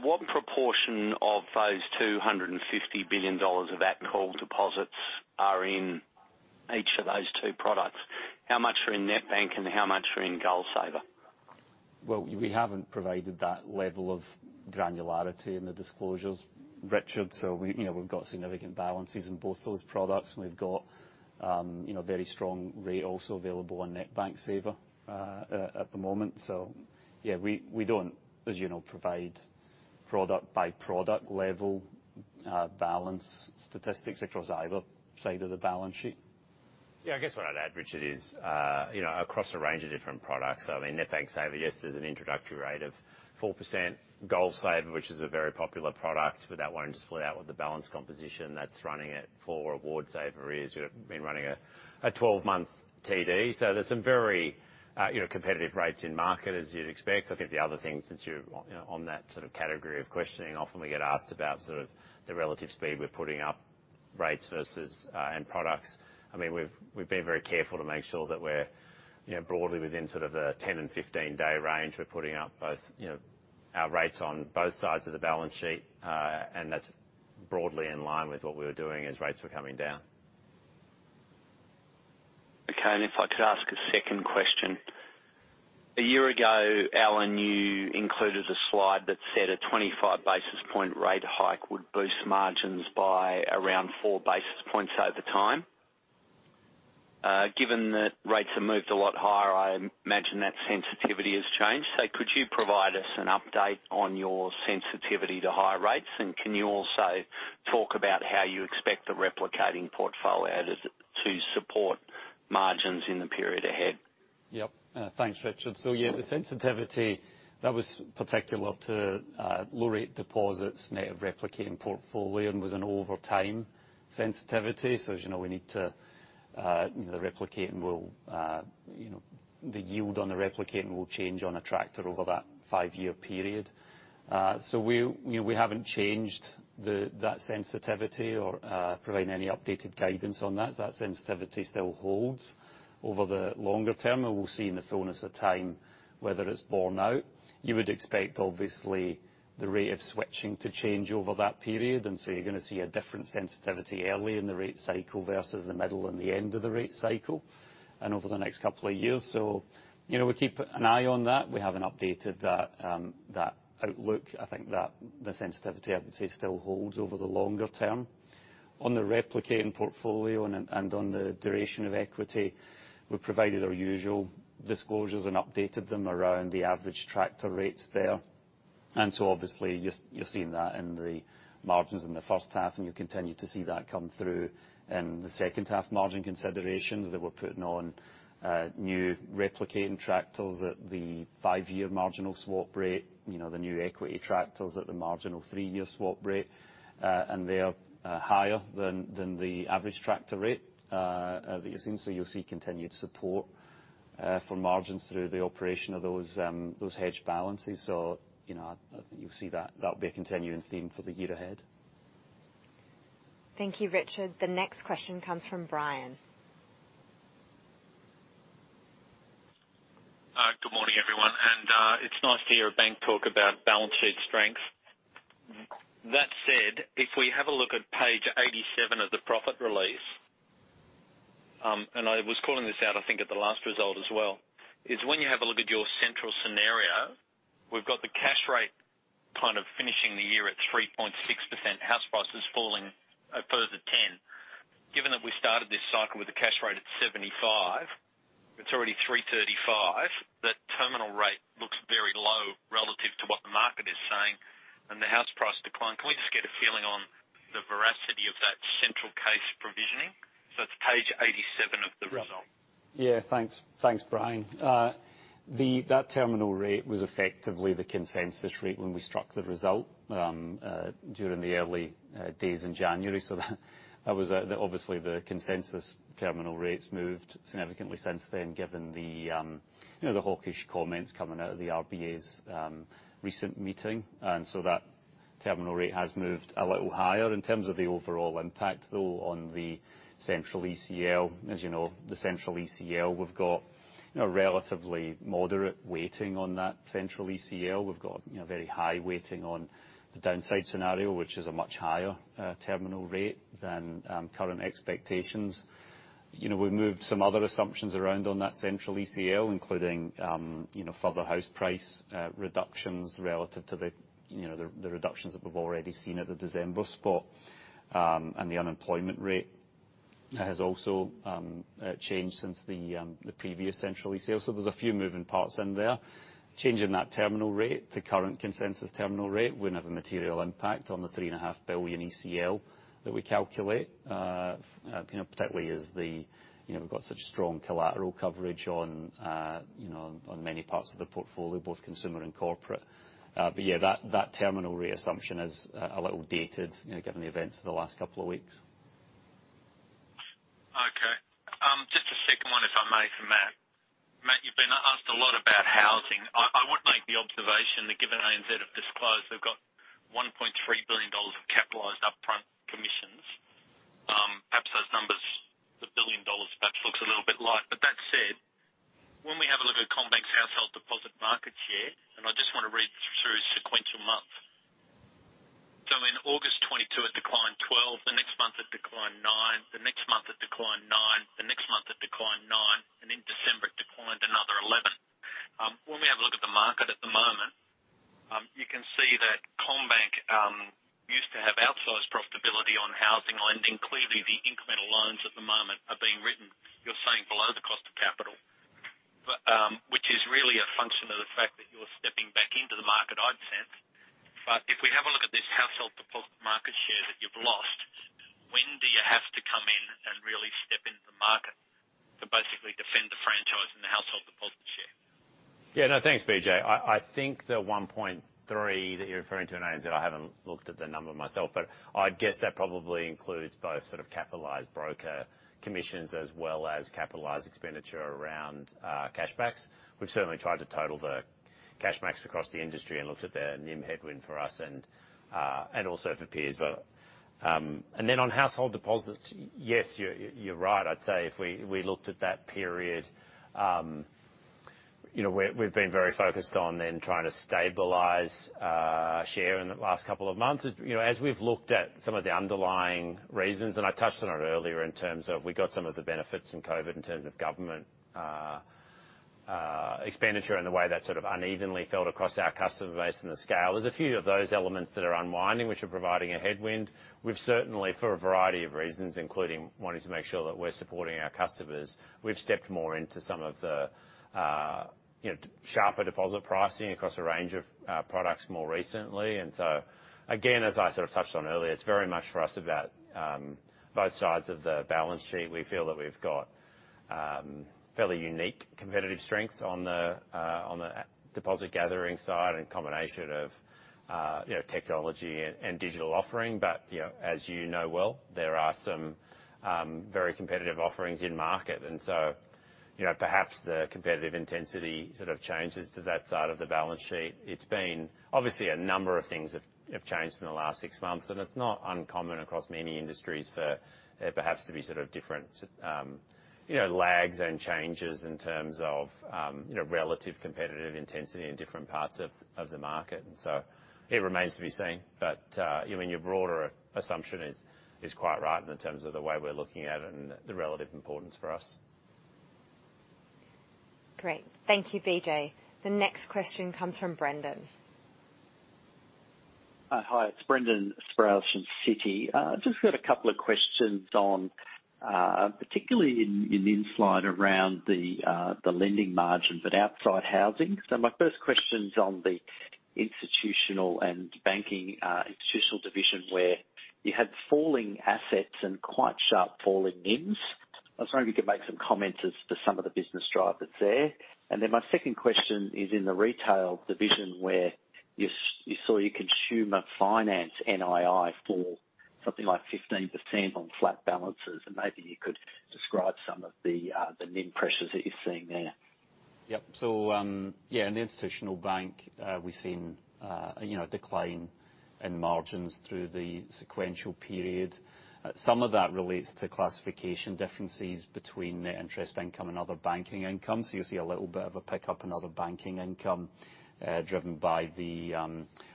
What proportion of those 250 billion dollars of at-call deposits are in each of those two products? How much are in NetBank and how much are in GoalSaver? Well, we haven't provided that level of granularity in the disclosures, Richard. We've got significant balances in both those products, and we've got a very strong rate also available on NetBank Saver at the moment. Yeah, we don't, as you know, provide product-by-product level balance statistics across either side of the balance sheet. Yeah. I guess what I'd add, Richard, is across a range of different products. I mean, NetBank Saver, yes, there's an introductory rate of 4%. GoalSaver, which is a very popular product, but that won't display out what the balance composition that's running it for, or GoalSaver is, has been running a 12-month TD. There's some very competitive rates in market, as you'd expect. I think the other thing, since you're on that sort of category of questioning, often we get asked about sort of the relative speed we're putting up rates and products. I mean, we've been very careful to make sure that we're broadly within sort of the 10 and 15 day range. We're putting up both our rates on both sides of the balance sheet, and that's broadly in line with what we were doing as rates were coming down. If I could ask a second question. A year ago, Alan, you included a slide that said a 25 basis point rate hike would boost margins by around 4 basis points over time. Given that rates have moved a lot higher, I imagine that sensitivity has changed. Could you provide us an update on your sensitivity to higher rates, and can you also talk about how you expect the replicating portfolio to support margins in the period ahead? Yep. Thanks, Richard. Yeah, the sensitivity, that was particular to low-rate deposits' native replicating portfolio and was an overtime sensitivity. As you know, the yield on the replicating will change on a tractor over that five-year period. We haven't changed that sensitivity or provided any updated guidance on that. That sensitivity still holds over the longer term, and we'll see in the fullness of time whether it's borne out. You would expect, obviously, the rate of switching to change over that period, you're going to see a different sensitivity early in the rate cycle versus the middle and the end of the rate cycle and over the next couple of years. We keep an eye on that. We haven't updated that outlook. I think that the sensitivity, I would say, still holds over the longer term. On the replicating portfolio and on the duration of equity, we've provided our usual disclosures and updated them around the average tractor rates there. Obviously, you're seeing that in the margins in the first half, and you continue to see that come through in the second-half margin considerations that we're putting on new replicating tractors at the five-year marginal swap rate, the new equity tractors at the marginal three-year swap rate. They're higher than the average tractor rate that you're seeing. You'll see continued support for margins through the operation of those hedge balances. I think you'll see that that'll be a continuing theme for the year ahead. Thank you, Richard. The next question comes from Brian. Good morning, everyone. It's nice to hear a bank talk about balance sheet strength. That said, if we have a look at page 87 of the profit release, and I was calling this out, I think, at the last result as well, is when you have a look at your central scenario, we've got the cash rate kind of finishing the year at 3.6%. House prices falling further 10%. Given that we started this cycle with a cash rate at 0.75%, it's already 3.35%. That terminal rate looks very low relative to what the market is saying, and the house price declined. Can we just get a feeling on the veracity of that central case provisioning? It's page 87 of the result. Yeah. Thanks, Brian. That terminal rate was effectively the consensus rate when we struck the result during the early days in January. Obviously, the consensus terminal rates moved significantly since then, given the hawkish comments coming out of the RBA's recent meeting. So that terminal rate has moved a little higher in terms of the overall impact, though, on the central ECL. As you know, the central ECL, we've got a relatively moderate weighting on that central ECL. We've got very high weighting on the downside scenario, which is a much higher terminal rate than current expectations. We've moved some other assumptions around on that central ECL, including further house price reductions relative to the reductions that we've already seen at the December spot and the unemployment rate that has also changed since the previous central ECL. There's a few moving parts in there. Changing that terminal rate to current consensus terminal rate wouldn't have a material impact on the 3.5 billion ECL that we calculate, particularly as we've got such strong collateral coverage on many parts of the portfolio, both Consumer and Corporate. Yeah, that terminal rate assumption is a little dated, given the events of the last couple of weeks. Just a second one, if I may, from Matt. Matt, you've been asked a lot about housing. I would make the observation that given ANZ have disclosed, they've got $1.3 billion of capitalized upfront commissions. Perhaps those numbers, the 1 billion dollars, perhaps looks a little bit light. That said, when we have a look at CommBank's household deposit market share, I just want to read through sequential months. In August 2022, it declined 12%. The next month, it declined 9%. The next month, it declined 9%. The next month, it declined 9%. In December, it declined another 11%. When we have a look at the market at the moment, you can see that CommBank used to have outsized profitability on housing lending. Clearly, the incremental loans at the moment are being written, you're saying, below the cost of capital, which is really a function of the fact that you're stepping back into the market, I'd sense. If we have a look at this household deposit market share that you've lost, when do you have to come in and really step into the market to basically defend the franchise and the household deposit share? Yeah. No, thanks, BJ. I think the 1.3 that you're referring to in ANZ, I haven't looked at the number myself, but I'd guess that probably includes both sort of capitalized broker commissions as well as capitalized expenditure around cashbacks. We've certainly tried to total the cashbacks across the industry and looked at their NIM headwind for us and also for peers. On household deposits, yes, you're right. I'd say if we looked at that period we've been very focused on then trying to stabilize share in the last couple of months. As we've looked at some of the underlying reasons, and I touched on it earlier in terms of we got some of the benefits from COVID in terms of government expenditure and the way that sort of unevenly felt across our customer base and the scale, there's a few of those elements that are unwinding, which are providing a headwind. We've certainly, for a variety of reasons, including wanting to make sure that we're supporting our customers, we've stepped more into some of the sharper deposit pricing across a range of products more recently. Again, as I sort of touched on earlier, it's very much for us about both sides of the balance sheet. We feel that we've got fairly unique competitive strengths on the deposit-gathering side and combination of technology and digital offering. As you know well, there are some very competitive offerings in market. Perhaps the competitive intensity sort of changes to that side of the balance sheet. Obviously, a number of things have changed in the last six months, and it's not uncommon across many industries for there perhaps to be sort of different lags and changes in terms of relative competitive intensity in different parts of the market. It remains to be seen. I mean, your broader assumption is quite right in terms of the way we're looking at it and the relative importance for us. Great. Thank you, BJ. The next question comes from Brendan. Hi. It's Brendan Sproules from Citi. I've just got a couple of questions on particularly in the inside around the lending margin but outside housing. My first question's on the Institutional and banking—Institutional division where you had falling assets and quite sharp falling NIMs. I was wondering if you could make some comments as to some of the business drive that's there. My second question is in the retail division where you saw you Consumer Finance NII fall something like 15% on flat balances. Maybe you could describe some of the NIM pressures that you're seeing there. Yep. Yeah, in the Institutional Bank, we've seen a decline in margins through the sequential period. Some of that relates to classification differences between net interest income and other banking income. You'll see a little bit of a pickup in other banking income driven by the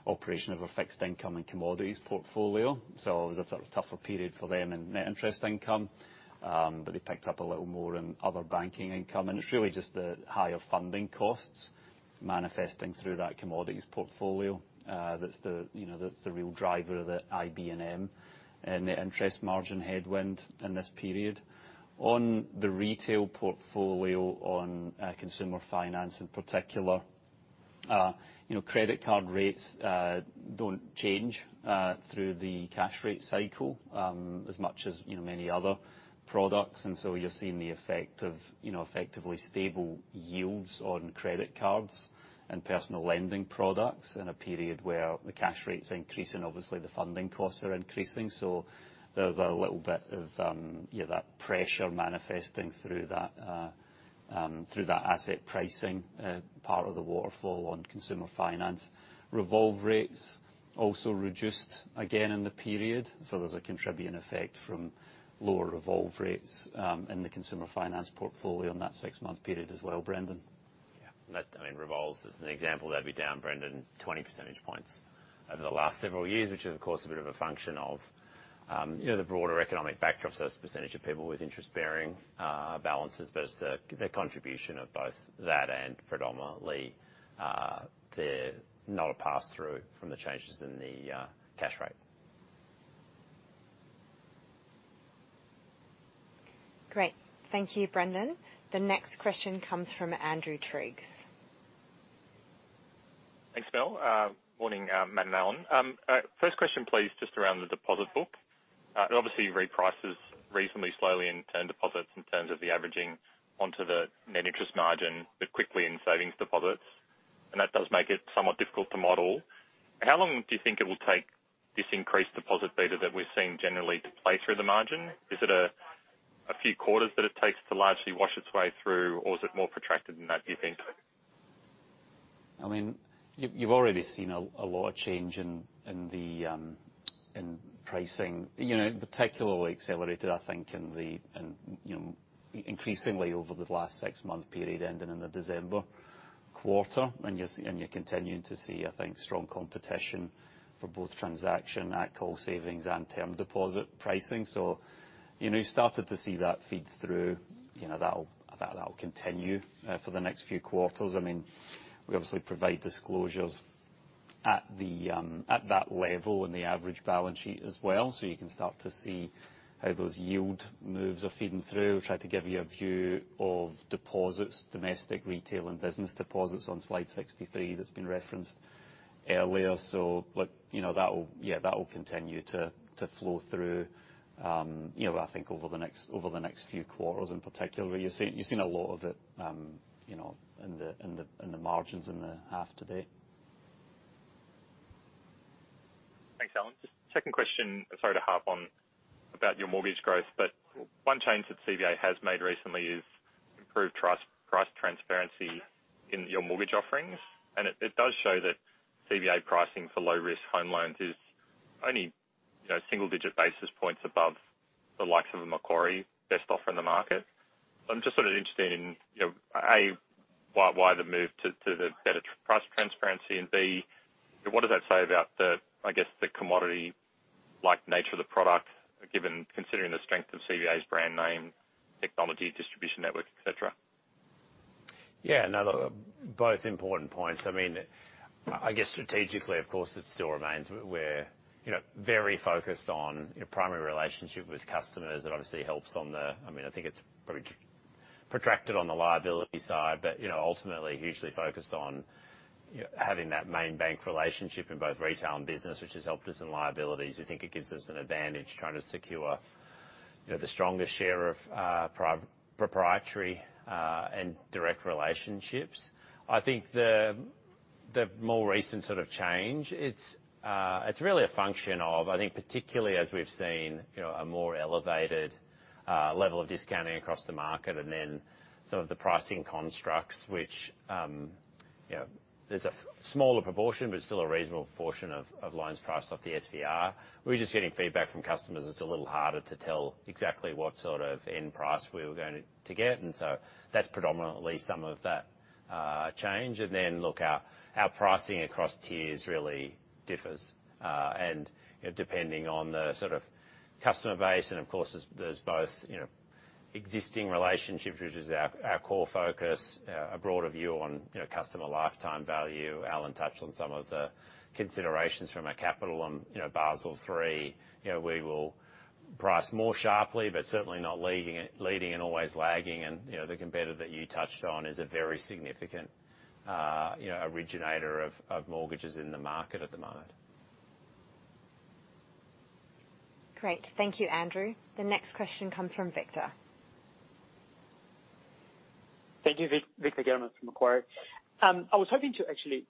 operation of a fixed income and commodities portfolio. It was a sort of tougher period for them in net interest income, but they picked up a little more in other banking income. It's really just the higher funding costs manifesting through that commodities portfolio. That's the real driver of the IB&M and net interest margin headwind in this period. On the retail portfolio, on Consumer Finance in particular, credit card rates don't change through the cash rate cycle as much as many other products. You're seeing the effect of effectively stable yields on credit cards and personal lending products in a period where the cash rates are increasing, obviously, the funding costs are increasing. There's a little bit of that pressure manifesting through that asset pricing part of the waterfall on Consumer Finance. Revolve rates also reduced again in the period. There's a contributing effect from lower revolve rates in the Consumer Finance portfolio on that six-month period as well, Brendan. Yeah. I mean, revolves as an example, that'd be down, Brendan, 20 percentage points over the last several years, which is, of course, a bit of a function of the broader economic backdrop. It's the percentage of people with interest-bearing balances, but it's the contribution of both that and predominantly they're not a pass-through from the changes in the cash rate. Great. Thank you, Brendan. The next question comes from Andrew Triggs. Thanks, Mel. Morning, Matt and Alan. First question, please, just around the deposit book. It obviously reprices reasonably slowly in term deposits in terms of the averaging onto the net interest margin, but quickly in savings deposits. That does make it somewhat difficult to model. How long do you think it will take this increased deposit beta that we're seeing generally to play through the margin? Is it a few quarters that it takes to largely wash its way through, or is it more protracted than that, do you think? I mean, you've already seen a lot of change in pricing, particularly accelerated, I think, increasingly over the last six-month period ending in the December quarter. You're continuing to see, I think, strong competition for both transaction at-call savings and term deposit pricing. You started to see that feed through. That'll continue for the next few quarters. I mean, we obviously provide disclosures at that level in the average balance sheet as well. You can start to see how those yield moves are feeding through. I tried to give you a view of domestic retail and business deposits on slide 63 that's been referenced earlier. Yeah, that'll continue to flow through, I think, over the next few quarters in particular. You've seen a lot of it in the margins in the half today. Thanks, Alan. Just second question, sorry to harp on, about your mortgage growth. One change that CBA has made recently is improved price transparency in your mortgage offerings. It does show that CBA pricing for low-risk home loans is only single-digit basis points above the likes of a Macquarie best offer in the market. I'm just sort of interested in, A, why the move to the better price transparency and, B, what does that say about, I guess, the commodity-like nature of the product considering the strength of CBA's brand name, technology, distribution network, etc.? No, both important points. I mean, I guess strategically, of course, it still remains very focused on your primary relationship with customers that obviously helps on the I mean—I think it's probably protracted on the liability side, but ultimately hugely focused on having that main bank relationship in both retail and business, which has helped us in liabilities. We think it gives us an advantage trying to secure the strongest share of proprietary and direct relationships. I think the more recent sort of change, it's really a function of, I think, particularly as we've seen a more elevated level of discounting across the market and then some of the pricing constructs, which there's a smaller proportion but still a reasonable proportion of loans priced off the SVR. We're just getting feedback from customers it's a little harder to tell exactly what sort of end price we were going to get. That's predominantly some of that change. Our pricing across tiers really differs. Depending on the sort of customer base and, of course, there's both existing relationships, which is our core focus, a broader view on customer lifetime value. Alan touched on some of the considerations from our capital on Basel III. We will price more sharply but certainly not leading and always lagging. The competitor that you touched on is a very significant originator of mortgages in the market at the moment. Great. Thank you, Andrew. The next question comes from Victor. Thank you, Victor German from Macquarie. I was hoping to actually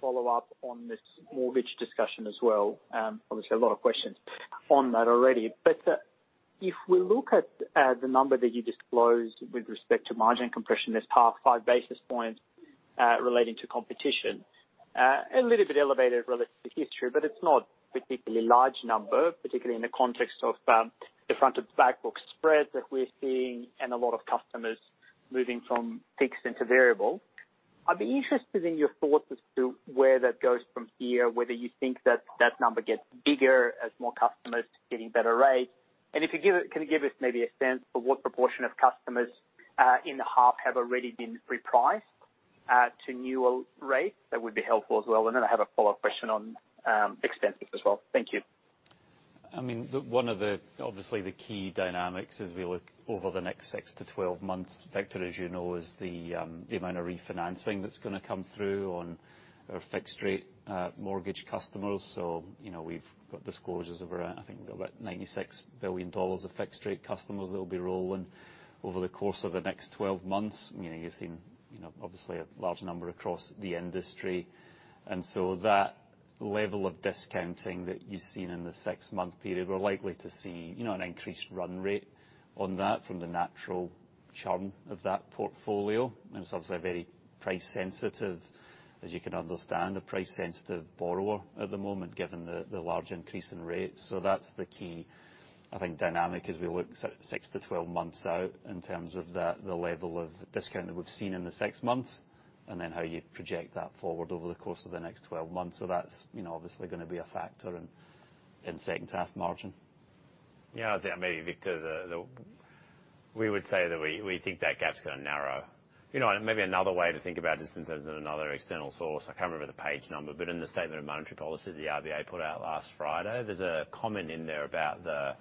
follow up on this mortgage discussion as well. Obviously, a lot of questions on that already. If we look at the number that you disclosed with respect to margin compression this past five basis points relating to competition, a little bit elevated relative to history, but it's not a particularly large number, particularly in the context of the front-to-back book spreads that we're seeing and a lot of customers moving from fixed into variable. I'd be interested in your thoughts as to where that goes from here, whether you think that that number gets bigger as more customers getting better rates. If you can give us maybe a sense for what proportion of customers in the half have already been repriced to newer rates, that would be helpful as well. I have a follow-up question on expenses as well. Thank you. I mean, one of the obviously the key dynamics as we look over the next six to 12 months, Victor, as you know, is the amount of refinancing that's going to come through on our fixed-rate mortgage customers. We've got disclosures of around I think we've got about 96 billion dollars of fixed-rate customers that'll be rolling over the course of the next 12 months. You've seen, obviously, a large number across the industry. That level of discounting that you've seen in the six-month period, we're likely to see an increased run rate on that from the natural charm of that portfolio. It's obviously a very price-sensitive, as you can understand, a price-sensitive borrower at the moment given the large increase in rates. That's the key, I think, dynamic as we look six to 12 months out in terms of the level of discount that we've seen in the six months and then how you project that forward over the course of the next 12 months. That's obviously going to be a factor in second-half margin. Yeah. Maybe, Victor, we would say that we think that gap's going to narrow. Maybe another way to think about it is in terms of another external source. I can't remember the page number, but in the statement of monetary policy that the RBA put out last Friday, there's a comment in there about the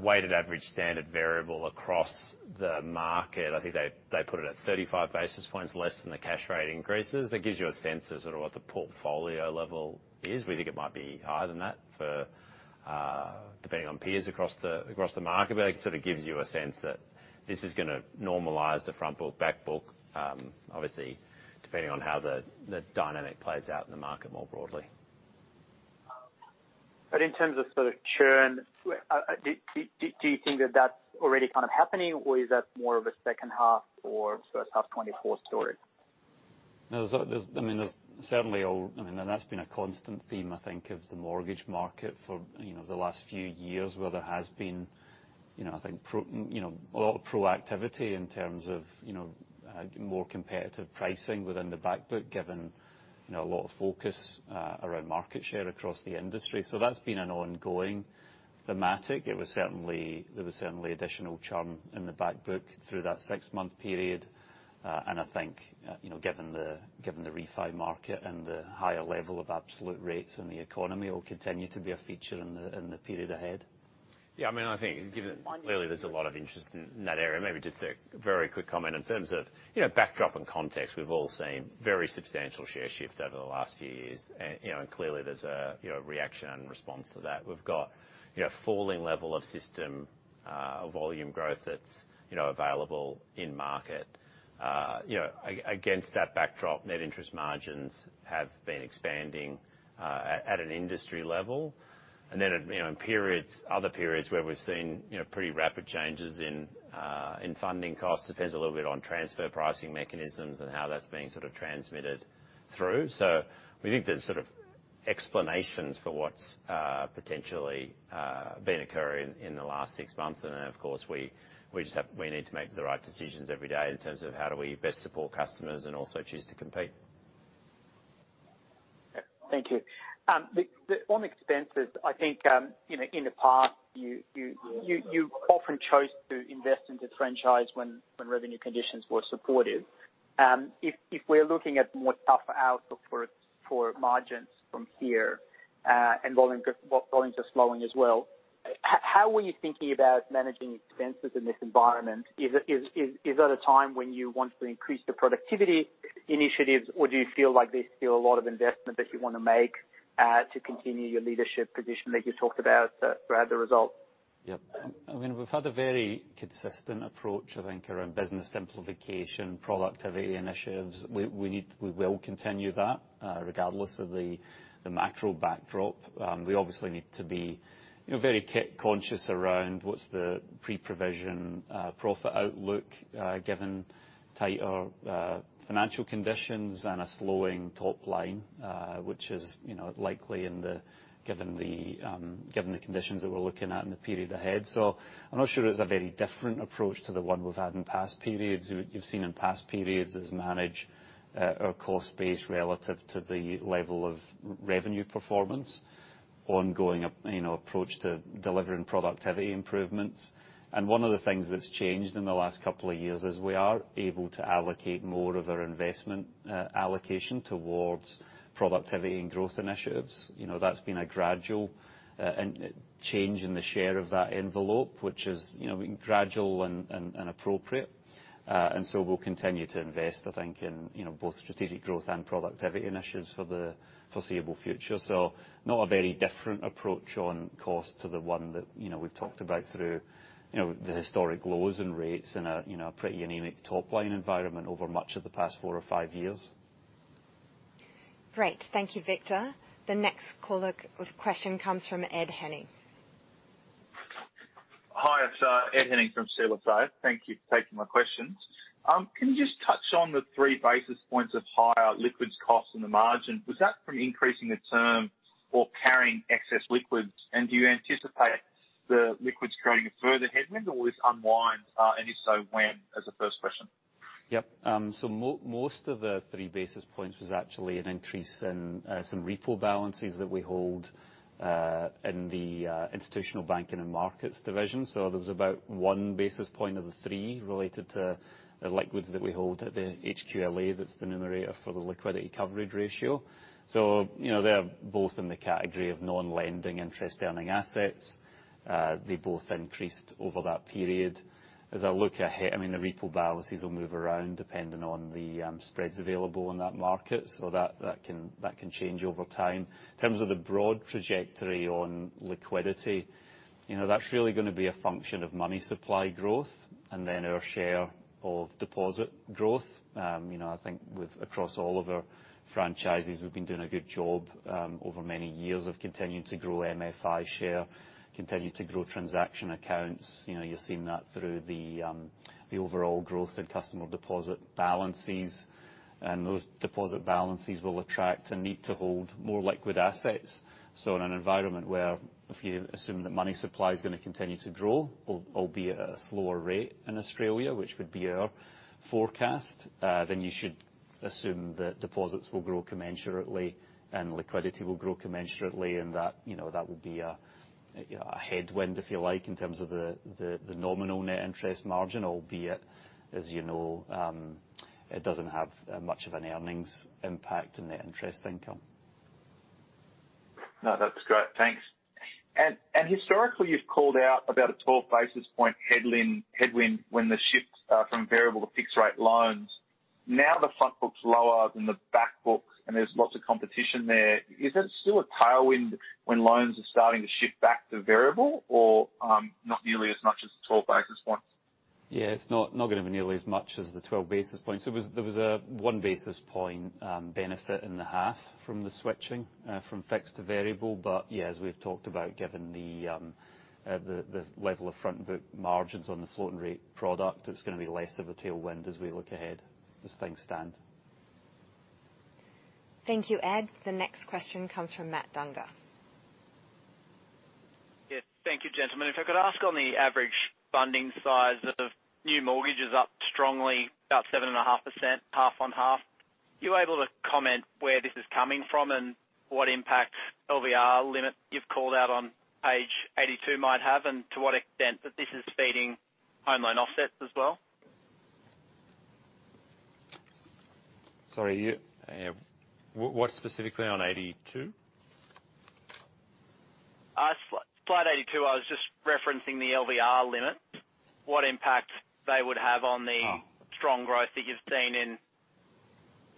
weighted average standard variable across the market. I think they put it at 35 basis points less than the cash rate increases. That gives you a sense of sort of what the portfolio level is. We think it might be higher than that depending on peers across the market. It sort of gives you a sense that this is going to normalise the front book, back book, obviously, depending on how the dynamic plays out in the market more broadly. In terms of sort of churn, do you think that that's already kind of happening, or is that more of a second-half or first-half 2024 story? No, I mean, there's certainly I mean, that's been a constant theme, I think, of the mortgage market for the last few years where there has been, I think, a lot of proactivity in terms of more competitive pricing within the back book given a lot of focus around market share across the industry. That's been an ongoing thematic. There was certainly additional churn in the back book through that six-month period. I think given the refi market and the higher level of absolute rates in the economy, it'll continue to be a feature in the period ahead. Yeah. I mean, I think given clearly, there's a lot of interest in that area. Maybe just a very quick comment in terms of backdrop and context. We've all seen very substantial share shift over the last few years. Clearly, there's a reaction and response to that. We've got a falling level of system volume growth that's available in market. Against that backdrop, net interest margins have been expanding at an industry level. In other periods where we've seen pretty rapid changes in funding costs, it depends a little bit on transfer pricing mechanisms and how that's being sort of transmitted through. We think there's sort of explanations for what's potentially been occurring in the last six months. Of course, we need to make the right decisions every day in terms of how do we best support customers and also choose to compete. Thank you. On the expenses, I think in the past, you often chose to invest into franchise when revenue conditions were supportive. If we're looking at more tough outlook for margins from here and volumes are slowing as well, how are you thinking about managing expenses in this environment? Is that a time when you want to increase the productivity initiatives, or do you feel like there's still a lot of investment that you want to make to continue your leadership position that you talked about throughout the results? Yep. I mean, we've had a very consistent approach, I think, around business simplification, productivity initiatives. We will continue that regardless of the macro backdrop. We obviously need to be very conscious around what's the pre-provision profit outlook given tighter financial conditions and a slowing top line, which is likely given the conditions that we're looking at in the period ahead. I'm not sure it's a very different approach to the one we've had in past periods. You've seen in past periods is manage our cost base relative to the level of revenue performance, ongoing approach to delivering productivity improvements. One of the things that's changed in the last couple of years is we are able to allocate more of our investment allocation towards productivity and growth initiatives. That's been a gradual change in the share of that envelope, which is gradual and appropriate. We'll continue to invest, I think, in both strategic growth and productivity initiatives for the foreseeable future. Not a very different approach on cost to the one that we've talked about through the historic lows and rates in a pretty anemic top-line environment over much of the past four or five years. Great. Thank you, Victor. The next call-up question comes from Ed Henning. Hi. It's Ed Henning from CLSA. Thank you for taking my questions. Can you just touch on the three basis points of higher liquids costs and the margin? Was that from increasing the term or carrying excess liquids? Do you anticipate the liquids creating a further headwind, or is it unwind, and if so, when? As a first question. Yep. Most of the three basis points was actually an increase in some repo balances that we hold in the Institutional banking and markets division. There was about one basis point of the three related to the liquids that we hold at the HQLA that's the numerator for the Liquidity Coverage Ratio. They're both in the category of non-lending interest-earning assets. They both increased over that period. As I look ahead, I mean, the repo balances will move around depending on the spreads available in that market. That can change over time. In terms of the broad trajectory on liquidity, that's really going to be a function of money supply growth and then our share of deposit growth. I think across all of our franchises, we've been doing a good job over many years of continuing to grow MFI share, continue to grow transaction accounts. You've seen that through the overall growth in customer deposit balances. Those deposit balances will attract and need to hold more liquid assets. In an environment where if you assume that money supply is going to continue to grow, albeit at a slower rate in Australia, which would be our forecast, then you should assume that deposits will grow commensurately and liquidity will grow commensurately. That will be a headwind, if you like, in terms of the nominal net interest margin, albeit as you know, it doesn't have much of an earnings impact in net interest income. No, that's great. Thanks. Historically, you've called out about a 12 basis point headwind when the shift from variable to fixed-rate loans. Now the front books lower than the back books, and there's lots of competition there. Is it still a tailwind when loans are starting to shift back to variable or not nearly as much as the 12 basis points? Yeah. It's not going to be nearly as much as the 12 basis points. There was a one basis point benefit in the half from the switching from fixed to variable. Yeah, as we've talked about, given the level of front book margins on the floating-rate product, it's going to be less of a tailwind as we look ahead as things stand. Thank you, Ed. The next question comes from Matt Dunger. Yes. Thank you, gentlemen. If I could ask on the average funding size of new mortgages up strongly about 7.5% half-on-half, are you able to comment where this is coming from and what impact LVR limit you've called out on page 82 might have and to what extent that this is feeding home loan offsets as well? Sorry. What specifically on 82? Slide 82, I was just referencing the LVR limit, what impact they would have on the strong growth that you've seen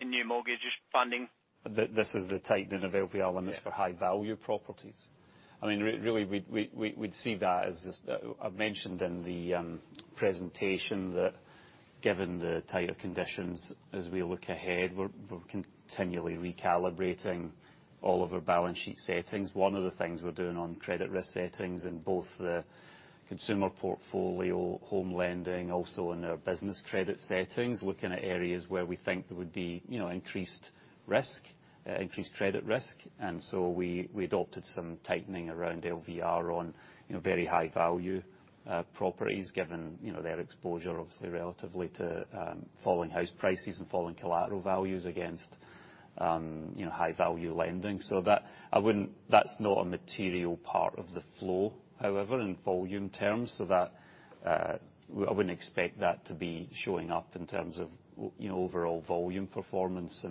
in new mortgage funding. This is the take-down of LVR limits for high-value properties. I mean, really, we'd see that as just I mentioned in the presentation that given the tighter conditions as we look ahead, we're continually recalibrating all of our balance sheet settings. One of the things we're doing on credit risk settings in both the Consumer portfolio, home lending, also in our business credit settings, looking at areas where we think there would be increased risk, increased credit risk. We adopted some tightening around LVR on very high-value properties given their exposure, obviously, relatively to falling house prices and falling collateral values against high-value lending. That's not a material part of the flow, however, in volume terms. I wouldn't expect that to be showing up in terms of overall volume performance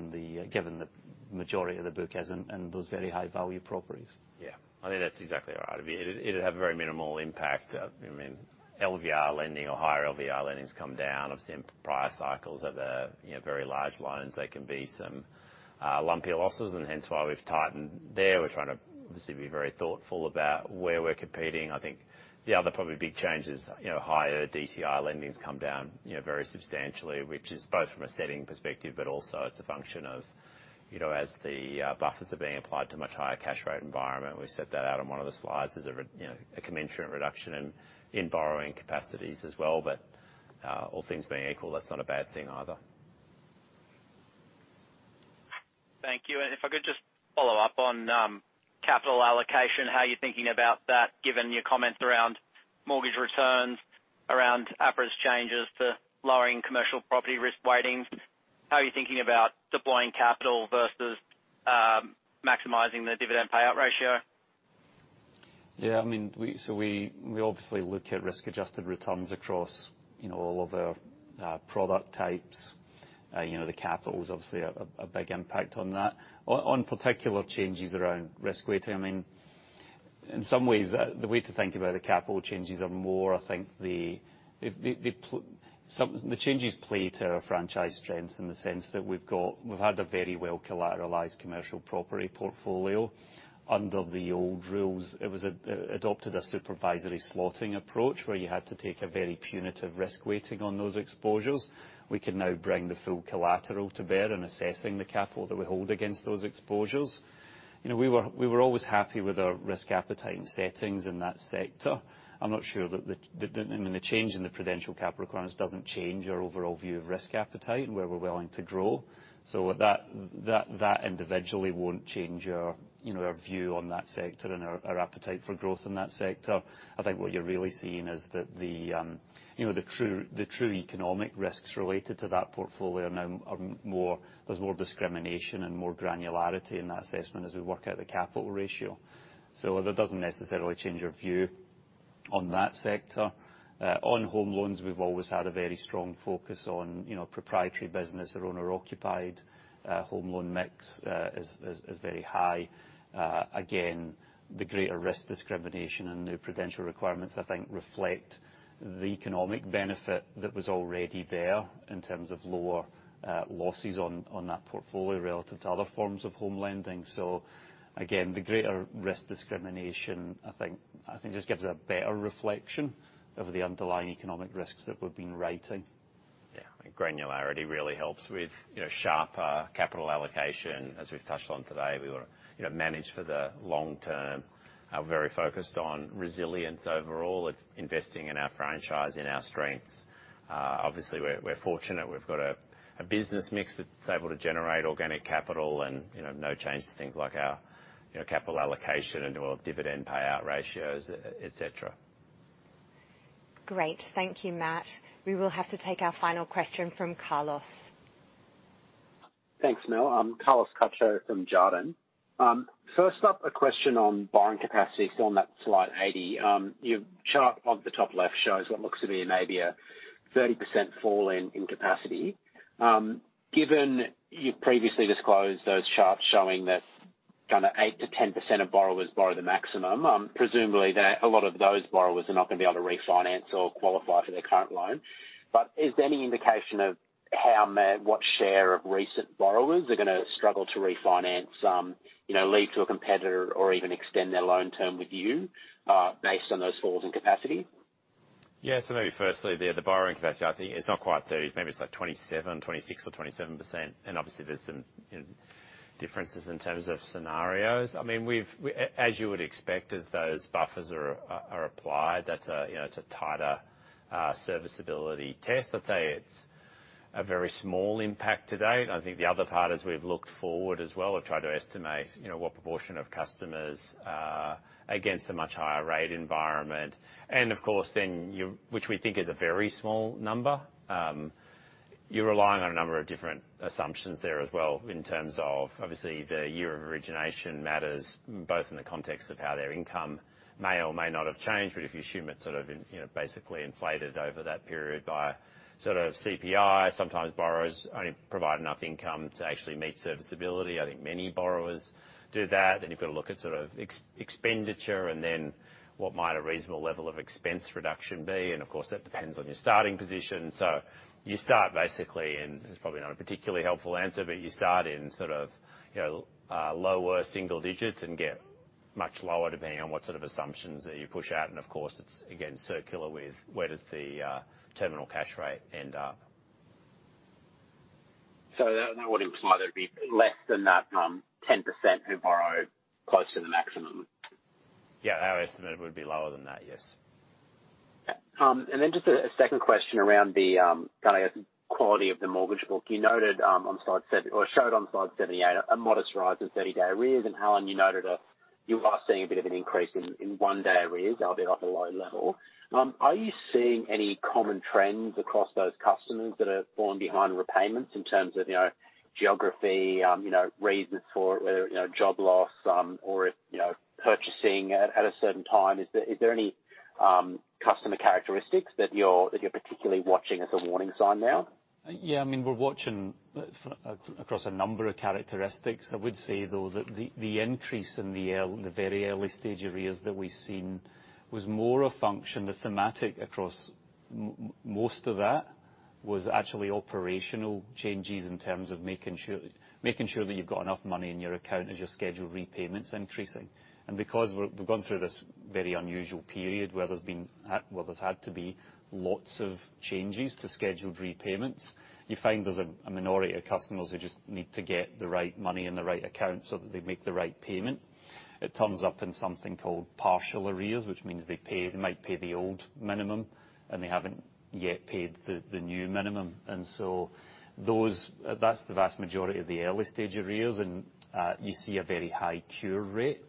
given the majority of the book isn't in those very high-value properties. Yeah. I think that's exactly right. It'd have a very minimal impact. I mean, LVR lending or higher LVR lendings come down. I've seen price cycles of very large loans. There can be some lumpier losses. Hence why we've tightened there. We're trying to obviously be very thoughtful about where we're competing. I think the other probably big change is higher DTI lendings come down very substantially, which is both from a setting perspective, but also it's a function of as the buffers are being applied to a much higher cash rate environment. We set that out on one of the slides as a commensurate reduction in borrowing capacities as well. All things being equal, that's not a bad thing either. Thank you. If I could just follow up on capital allocation, how are you thinking about that given your comments around mortgage returns, around APRA's changes to lowering commercial property risk weightings? How are you thinking about deploying capital versus maximizing the dividend payout ratio? I mean, we obviously look at risk-adjusted returns across all of our product types. The capital's obviously a big impact on that. On particular changes around risk weighting, I mean, in some ways, the way to think about the capital changes are more, I think, the changes play to our franchise strengths in the sense that we've had a very well-collateralized commercial property portfolio under the old rules. It was adopted a supervisory slotting approach where you had to take a very punitive risk weighting on those exposures. We can now bring the full collateral to bear in assessing the capital that we hold against those exposures. We were always happy with our risk appetite and settings in that sector. I'm not sure that I mean, the change in the prudential capital requirements doesn't change our overall view of risk appetite and where we're willing to grow. That individually won't change our view on that sector and our appetite for growth in that sector. I think what you're really seeing is that the true economic risks related to that portfolio now are more there's more discrimination and more granularity in that assessment as we work out the capital ratio. That doesn't necessarily change your view on that sector. On home loans, we've always had a very strong focus on proprietary business or owner-occupied. Home loan mix is very high. Again, the greater risk discrimination and new prudential requirements, I think, reflect the economic benefit that was already there in terms of lower losses on that portfolio relative to other forms of home lending. Again, the greater risk discrimination, I think, just gives a better reflection of the underlying economic risks that we've been writing. I think granularity really helps with sharper capital allocation, as we've touched on today. We want to manage for the long term. We're very focused on resilience overall of investing in our franchise in our strengths. We're fortunate. We've got a business mix that's able to generate organic capital and no change to things like our capital allocation and our dividend payout ratios, etc. Great. Thank you, Matt. We will have to take our final question from Carlos. Thanks, Mel. I'm Carlos Cacho from Jarden. First up, a question on borrowing capacity still on that slide 80. Your chart on the top left shows what looks to be maybe a 30% fall in capacity. Given you previously disclosed those charts showing that kind of 8%-10% of borrowers borrow the maximum, presumably, a lot of those borrowers are not going to be able to refinance or qualify for their current loan. Is there any indication of what share of recent borrowers are going to struggle to refinance, leave to a competitor, or even extend their loan term with you based on those falls in capacity? Yeah. Maybe firstly, the borrowing capacity, I think it's not quite 30%. Maybe it's like 27%, 26%, or 27%. Obviously, there's some differences in terms of scenarios. I mean, as you would expect, as those buffers are applied, that's a tighter serviceability test. I'd say it's a very small impact to date. I think the other part is we've looked forward as well. We've tried to estimate what proportion of customers against a much higher rate environment. Of course, then, which we think is a very small number, you're relying on a number of different assumptions there as well in terms of obviously, the year of origination matters both in the context of how their income may or may not have changed. If you assume it's sort of basically inflated over that period by sort of CPI, sometimes borrowers only provide enough income to actually meet serviceability. I think many borrowers do that. You've got to look at sort of expenditure and then what might a reasonable level of expense reduction be. Of course, that depends on your starting position. You start basically in it's probably not a particularly helpful answer, but you start in sort of lower single digits and get much lower depending on what sort of assumptions that you push out. Of course, it's, again, circular with where does the terminal cash rate end up? That would imply there'd be less than that 10% who borrow close to the maximum? Yeah. Our estimate would be lower than that, yes. Just a second question around the kind of quality of the mortgage book. You noted on slide 70 or showed on slide 78 a modest rise in 30-day arrears. Alan, you noted you were seeing a bit of an increase in 1-day arrears, albeit off a low level. Are you seeing any common trends across those customers that have fallen behind repayments in terms of geography, reasons for it, whether it's job loss or if purchasing at a certain time? Is there any customer characteristics that you're particularly watching as a warning sign now? I mean, we're watching across a number of characteristics. I would say, though, that the increase in the very early stage arrears that we've seen was more a function. The thematic across most of that was actually operational changes in terms of making sure that you've got enough money in your account as your scheduled repayments increasing. Because we've gone through this very unusual period where there's had to be lots of changes to scheduled repayments, you find there's a minority of customers who just need to get the right money in the right account so that they make the right payment. It turns up in something called partial arrears, which means they might pay the old minimum, and they haven't yet paid the new minimum. That's the vast majority of the early stage arrears. You see a very high cure rate.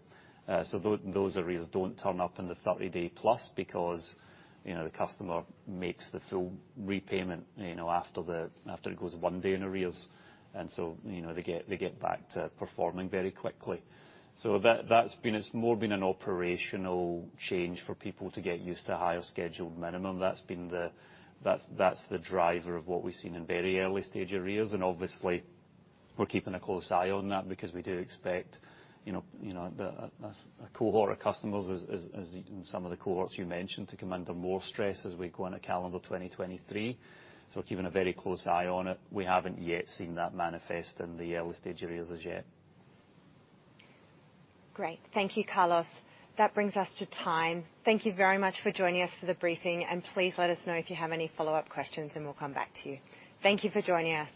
Those arrears don't turn up in the 30-day plus because the customer makes the full repayment after it goes one day in arrears. They get back to performing very quickly. It's more been an operational change for people to get used to higher scheduled minimum. That's the driver of what we've seen in very early stage arrears. Obviously, we're keeping a close eye on that because we do expect a cohort of customers as some of the cohorts you mentioned to come under more stress as we go into calendar 2023. We're keeping a very close eye on it. We haven't yet seen that manifest in the early stage arrears as yet. Great. Thank you, Carlos. That brings us to time. Thank you very much for joining us for the briefing. Please let us know if you have any follow-up questions, and we'll come back to you. Thank you for joining us.